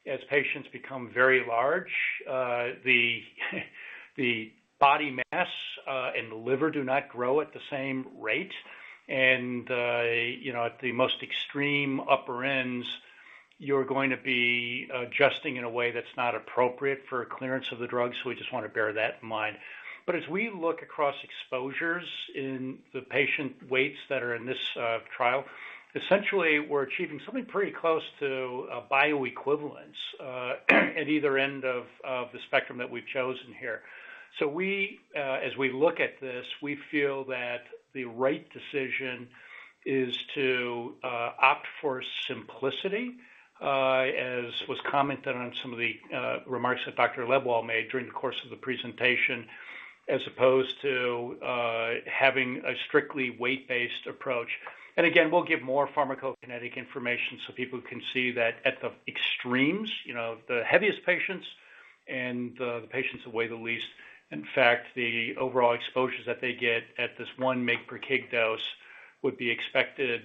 as patients become very large, the body mass and the liver do not grow at the same rate. You know, at the most extreme upper ends, you're going to be adjusting in a way that's not appropriate for clearance of the drug. We just want to bear that in mind. As we look across exposures in the patient weights that are in this trial, essentially, we're achieving something pretty close to a bioequivalence at either end of the spectrum that we've chosen here. We as we look at this, we feel that the right decision is to opt for simplicity as was commented on some of the remarks that Dr. Lebwohl made during the course of the presentation, as opposed to having a strictly weight-based approach. We'll give more pharmacokinetic information so people can see that at the extremes, you know, the heaviest patients and the patients that weigh the least. In fact, the overall exposures that they get at this 1 mg/kg dose would be expected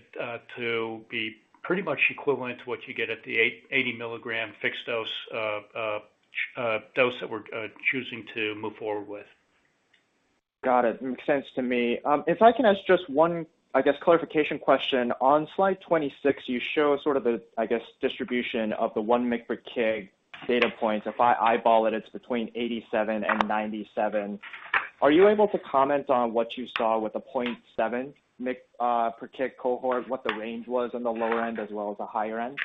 to be pretty much equivalent to what you get at the 80 mg fixed dose that we're choosing to move forward with. Got it. Makes sense to me. If I can ask just one, I guess, clarification question. On slide 26, you show sort of the, I guess, distribution of the 1 mg/kg data points. If I eyeball it's between 87 and 97. Are you able to comment on what you saw with the 0.7 mg/kg cohort, what the range was on the lower end as well as the higher end?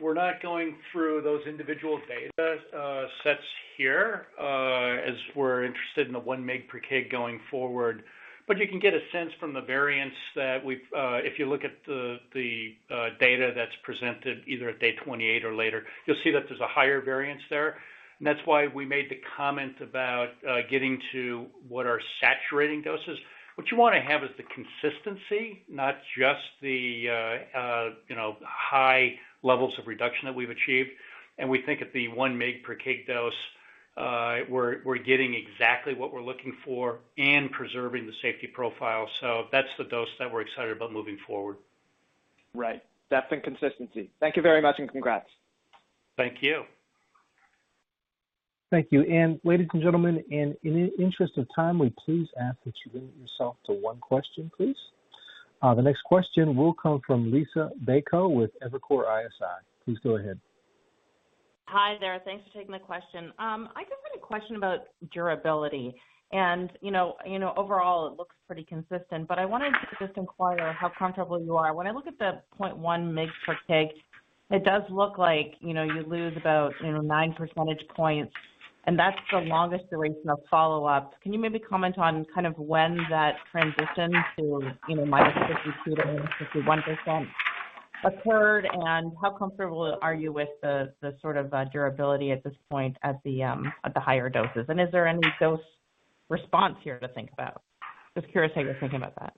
We're not going through those individual data sets here as we're interested in the 1 mg/kg going forward. You can get a sense from the variance that we've, if you look at the data that's presented either at day 28 or later, you'll see that there's a higher variance there. That's why we made the comment about getting to what are saturating doses. What you wanna have is the consistency, not just, you know, high levels of reduction that we've achieved. We think at the 1 mg/kg dose, we're getting exactly what we're looking for and preserving the safety profile. That's the dose that we're excited about moving forward. Right. Depth and consistency. Thank you very much, and congrats. Thank you. Thank you. Ladies and gentlemen, in the interest of time, we please ask that you limit yourself to one question, please. The next question will come from Liisa Bayko with Evercore ISI. Please go ahead. Hi there. Thanks for taking my question. I just had a question about durability. You know, you know, overall, it looks pretty consistent, but I wanted to just inquire how comfortable you are. When I look at the 0.1 mg/kg, it does look like, you know, you lose about, you know, 9 percentage points, and that's the longest duration of follow-up. Can you maybe comment on kind of when that transition to -52% -51% occurred? How comfortable are you with the sort of durability at this point at the higher doses? Is there any dose response here to think about? Just curious how you're thinking about that.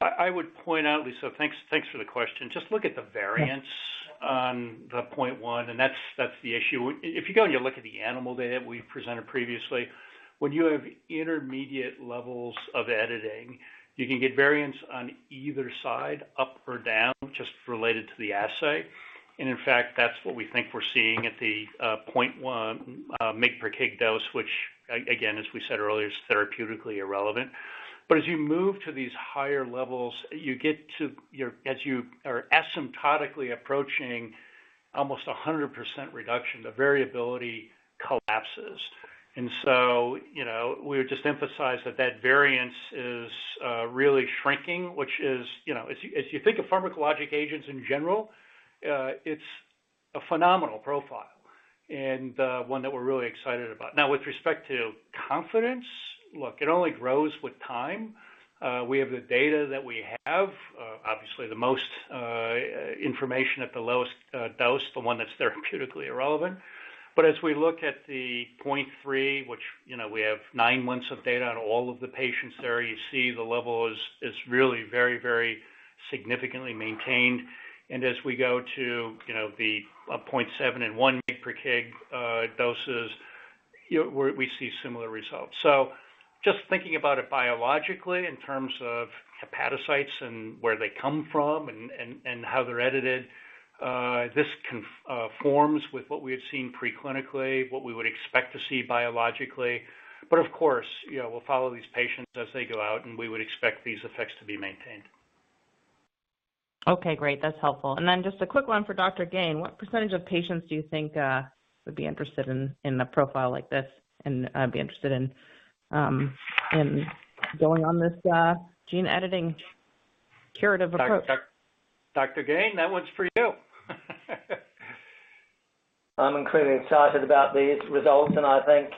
I would point out, Liisa, thanks for the question. Just look at the variance on the 0.1 mg/kg, and that's the issue. If you go and you look at the animal data we presented previously, when you have intermediate levels of editing, you can get variance on either side up or down just related to the assay. In fact, that's what we think we're seeing at the 0.1 mg/kg dose, which again, as we said earlier, is therapeutically irrelevant. As you move to these higher levels, you get to, as you are asymptotically approaching almost 100% reduction, the variability collapses. You know, we would just emphasize that variance is really shrinking, which is, you know, as you think of pharmacologic agents in general, it's a phenomenal profile and one that we're really excited about. Now, with respect to confidence, look, it only grows with time. We have the data that we have. Obviously, the most information at the lowest dose, the one that's therapeutically irrelevant. As we look at the 0.3 mg/kg, which, you know, we have 9 months of data on all of the patients there, you see the level is really very, very significantly maintained. As we go to, you know, the 0.7 mg/kg and 1 mg/kg doses, you know, we see similar results. Just thinking about it biologically in terms of hepatocytes and where they come from and how they're edited, this conforms with what we had seen preclinically, what we would expect to see biologically. Of course, you know, we'll follow these patients as they go out, and we would expect these effects to be maintained. Okay, great. That's helpful. Just a quick one for Dr. Gane. What percentage of patients do you think would be interested in a profile like this and be interested in going on this gene editing curative approach? Dr. Gane, that one's for you. I'm incredibly excited about these results, and I think,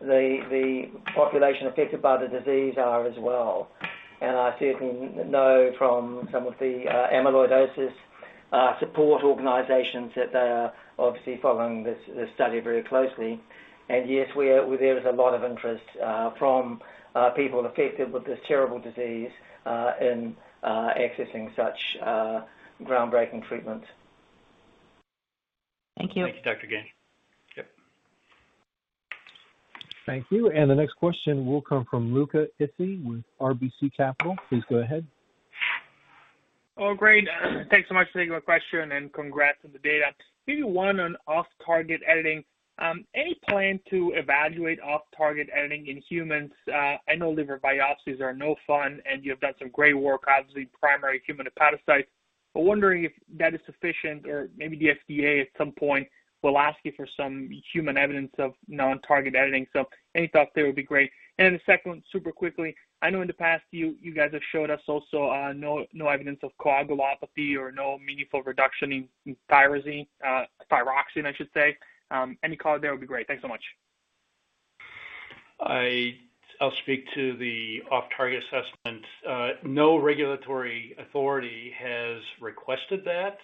the population affected by the disease are as well. I certainly know from some of the, amyloidosis, support organizations that they are obviously following this study very closely. Yes, there is a lot of interest from people affected with this terrible disease in accessing such groundbreaking treatment. Thank you. Thank you, Dr. Gane. Yep. Thank you. The next question will come from Luca Issi with RBC Capital. Please go ahead. Oh, great. Thanks so much for taking my question, and congrats on the data. Maybe one on off-target editing. Any plan to evaluate off-target editing in humans? I know liver biopsies are no fun, and you have done some great work, obviously, primary human hepatocytes. Wondering if that is sufficient or maybe the FDA at some point will ask you for some human evidence of non-target editing. Any thoughts there would be great. The second one, super quickly. I know in the past you guys have showed us also no evidence of coagulopathy or no meaningful reduction in thyroxine, I should say. Any comment there would be great. Thanks so much. I'll speak to the off-target assessment. No regulatory authority has requested that.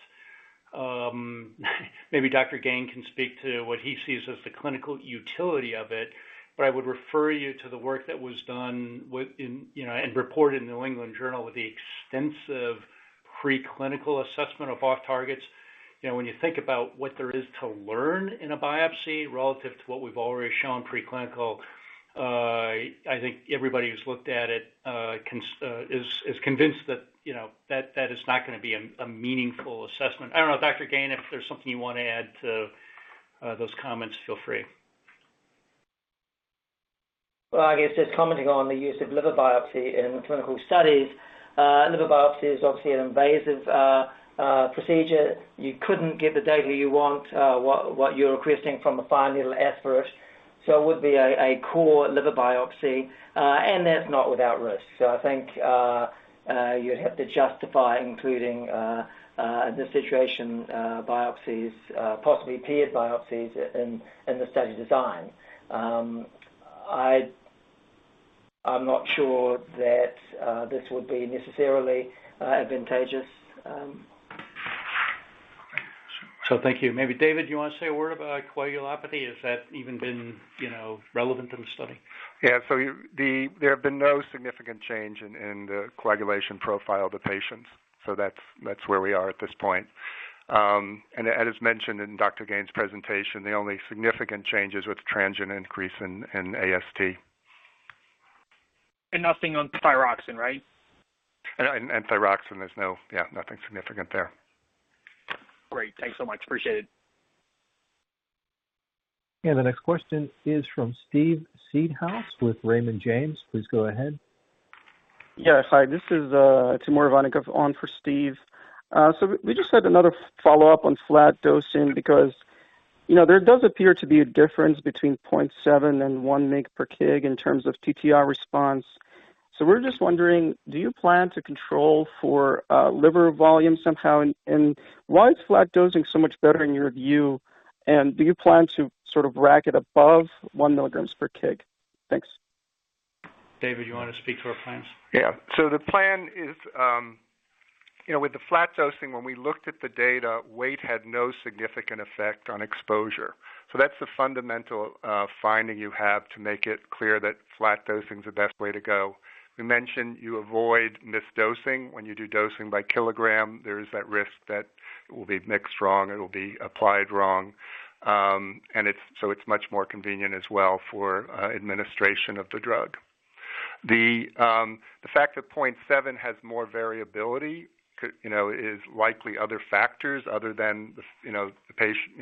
Maybe Dr. Gane can speak to what he sees as the clinical utility of it, but I would refer you to the work that was done within, you know, and reported in the New England Journal with the extensive pre-clinical assessment of off-targets. You know, when you think about what there is to learn in a biopsy relative to what we've already shown pre-clinical, I think everybody who's looked at it is convinced that, you know, that is not gonna be a meaningful assessment. I don't know, Dr. Gane, if there's something you wanna add to those comments, feel free. Well, I guess just commenting on the use of liver biopsy in clinical studies. Liver biopsy is obviously an invasive procedure. You couldn't get the data you want, what you're requesting from a fine needle aspirate, so it would be a core liver biopsy. That's not without risk. I think you'd have to justify including in this situation biopsies, possibly paired biopsies in the study design. I'm not sure that this would be necessarily advantageous. Thank you. Maybe David, you wanna say a word about coagulopathy? Has that even been, you know, relevant in the study? There have been no significant change in the coagulation profile of the patients. That's where we are at this point. As mentioned in Dr. Gane's presentation, the only significant change is with transient increase in AST. Nothing on thyroxine, right? Thyroxine, there's nothing significant there. Great. Thanks so much. Appreciate it. The next question is from Steve Seedhouse with Raymond James. Please go ahead. Hi, this is Timur Ivannikov on for Steve. We just had another follow-up on flat dosing because, you know, there does appear to be a difference between 0.7 mg/kg and 1 mg/kg in terms of TTR response. We're just wondering, do you plan to control for liver volume somehow? And why is flat dosing so much better in your view, and do you plan to sort of take it above 1 mg/kg? Thanks. David, you wanna speak to our plans? Yeah. The plan is, you know, with the flat dosing, when we looked at the data, weight had no significant effect on exposure. That's the fundamental finding you have to make it clear that flat dosing is the best way to go. We mentioned you avoid mis-dosing. When you do dosing by kilogram, there is that risk that it will be mixed wrong, it'll be applied wrong. It's much more convenient as well for administration of the drug. The fact that 0.7 mg/kg has more variability could, you know, is likely other factors other than the patient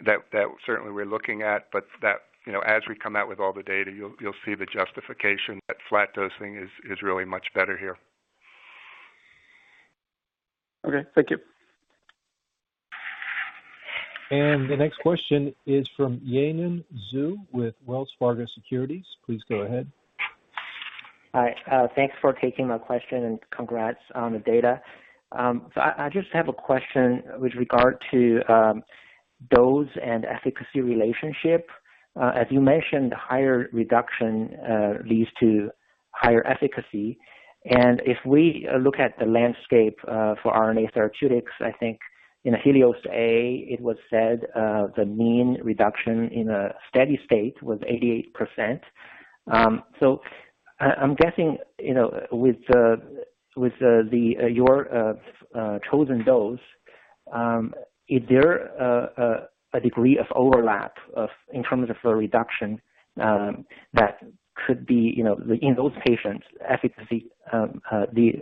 that certainly we're looking at, but that, you know, as we come out with all the data, you'll see the justification that flat dosing is really much better here. Okay. Thank you. The next question is from Yanan Zhu with Wells Fargo Securities. Please go ahead. Hi. Thanks for taking my question, and congrats on the data. So I just have a question with regard to dose and efficacy relationship. As you mentioned, higher reduction leads to higher efficacy. If we look at the landscape for RNA therapeutics, I think in HELIOS-A, it was said the mean reduction in a steady state was 88%. I'm guessing, you know, with your chosen dose, is there a degree of overlap in terms of the reduction in those patients' efficacy, the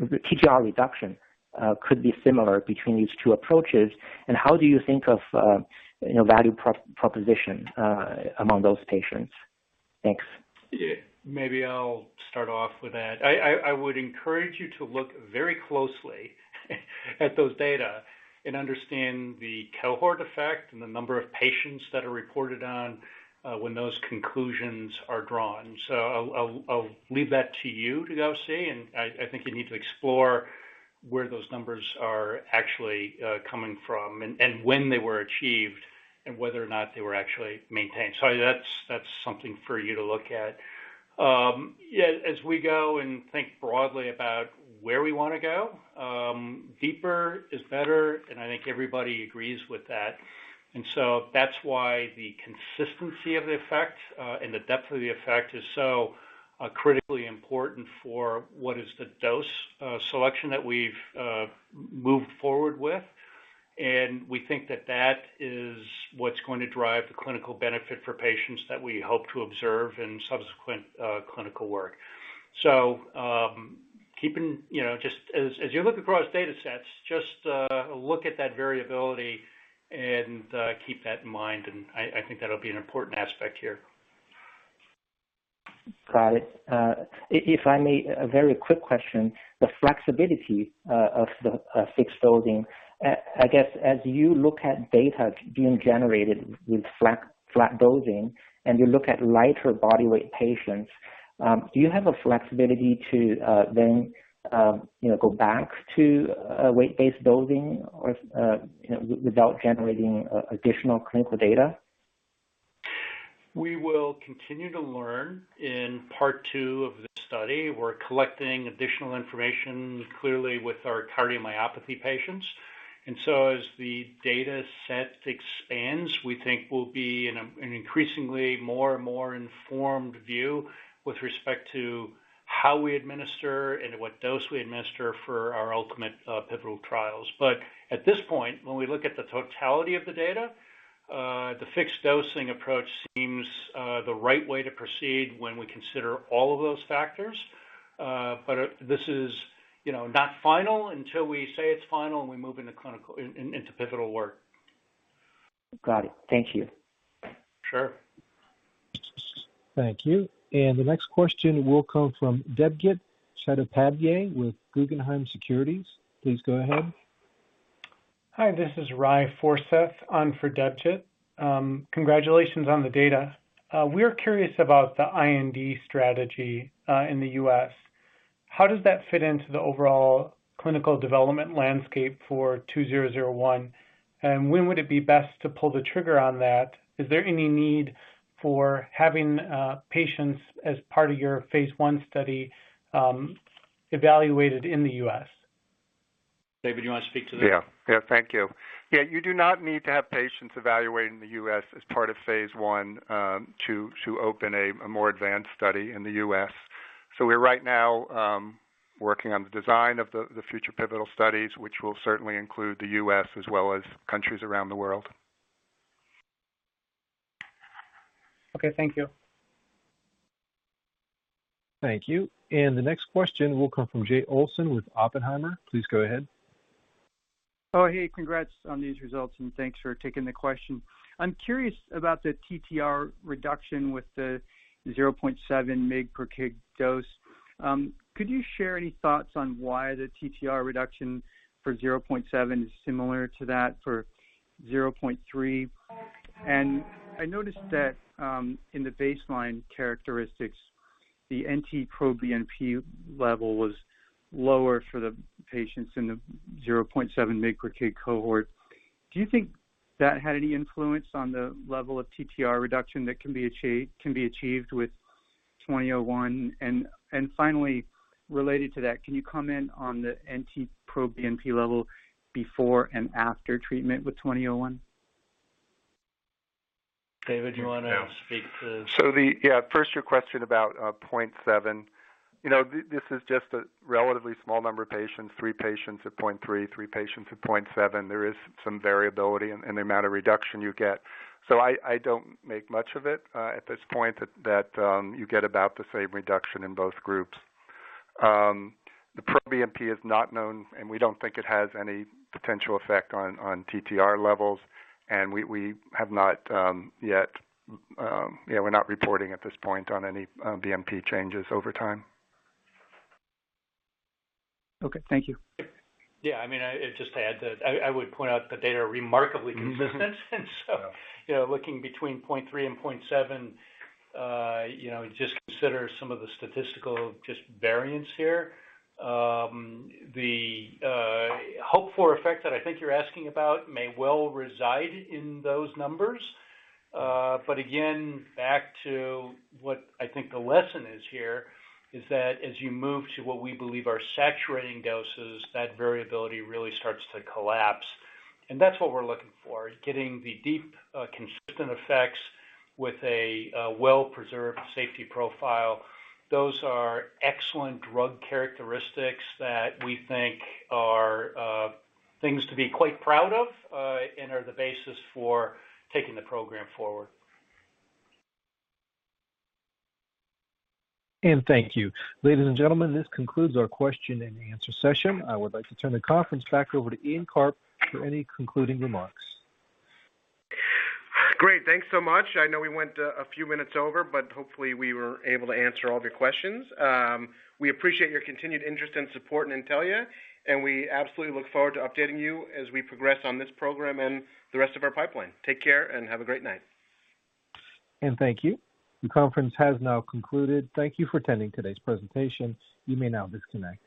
TTR reduction could be similar between these two approaches? How do you think of, you know, value proposition among those patients? Thanks. Yeah. Maybe I'll start off with that. I would encourage you to look very closely at those data and understand the cohort effect and the number of patients that are reported on when those conclusions are drawn. So I'll leave that to you to go see, and I think you need to explore where those numbers are actually coming from and when they were achieved and whether or not they were actually maintained. So that's something for you to look at. Yeah, as we go and think broadly about where we wanna go, deeper is better, and I think everybody agrees with that. That's why the consistency of the effect and the depth of the effect is so critically important for what is the dose selection that we've moved forward with. We think that that is what's going to drive the clinical benefit for patients that we hope to observe in subsequent clinical work. Keeping, you know, just as you look across data sets, just look at that variability and keep that in mind and I think that'll be an important aspect here. Got it. If I may, a very quick question. The flexibility of the fixed dosing, I guess as you look at data being generated with flat dosing and you look at lighter body weight patients, do you have a flexibility to then, you know, go back to a weight-based dosing or, you know, without generating additional clinical data? We will continue to learn in part two of the study. We're collecting additional information clearly with our cardiomyopathy patients. As the dataset expands, we think we'll be in an increasingly more and more informed view with respect to how we administer and what dose we administer for our ultimate pivotal trials. At this point, when we look at the totality of the data, the fixed dosing approach seems the right way to proceed when we consider all of those factors. This is, you know, not final until we say it's final, and we move into clinical into pivotal work. Got it. Thank you. Sure. Thank you. The next question will come from Debjit Chattopadhyay with Guggenheim Securities. Please go ahead. Hi, this is Ry Forseth on for Debjit. Congratulations on the data. We're curious about the IND strategy in the U.S. How does that fit into the overall clinical development landscape for 2001? And when would it be best to pull the trigger on that? Is there any need for having patients as part of your phase I study evaluated in the U.S.? David, you wanna speak to that? Yeah. Yeah. Thank you. Yeah, you do not need to have patients evaluated in the U.S. as part of phase I to open a more advanced study in the U.S. We're right now working on the design of the future pivotal studies, which will certainly include the U.S. as well as countries around the world. Okay. Thank you. Thank you. The next question will come from Jay Olson with Oppenheimer. Please go ahead. Oh, hey, congrats on these results, and thanks for taking the question. I'm curious about the TTR reduction with the 0.7 mg/kg dose. Could you share any thoughts on why the TTR reduction for 0.7 mg/kg is similar to that for 0.3 mg/kg? And I noticed that in the baseline characteristics, the NT-proBNP level was lower for the patients in the 0.7 mg/kg cohort. Do you think that had any influence on the level of TTR reduction that can be achieved with NTLA-2001? And finally, related to that, can you comment on the NT-proBNP level before and after treatment with NTLA-2001? David, do you wanna speak to. First, your question about 0.7 mg/kg. You know, this is just a relatively small number of patients, three patients at 0.3 mg/kg, three patients at 0.7 mg/kg. There is some variability in the amount of reduction you get. I don't make much of it at this point that you get about the same reduction in both groups. The proBNP is not known, and we don't think it has any potential effect on TTR levels. We have not yet. We're not reporting at this point on any BNP changes over time. Okay. Thank you. Yeah. I mean, just to add to that, I would point out the data are remarkably consistent. And so. Yeah. You know, looking between 0.3 mg/kg and 0.7 mg/kg, you know, just consider some of the statistical variance here. The hope for effect that I think you're asking about may well reside in those numbers. But again, back to what I think the lesson is here is that as you move to what we believe are saturating doses, that variability really starts to collapse. That's what we're looking for, is getting the deep, consistent effects with a well-preserved safety profile. Those are excellent drug characteristics that we think are things to be quite proud of, and are the basis for taking the program forward. Thank you. Ladies and gentlemen, this concludes our question and answer session. I would like to turn the conference back over to Ian Karp for any concluding remarks. Great. Thanks so much. I know we went a few minutes over, but hopefully, we were able to answer all of your questions. We appreciate your continued interest and support in Intellia, and we absolutely look forward to updating you as we progress on this program and the rest of our pipeline. Take care and have a great night. Thank you. The conference has now concluded. Thank you for attending today's presentation. You may now disconnect.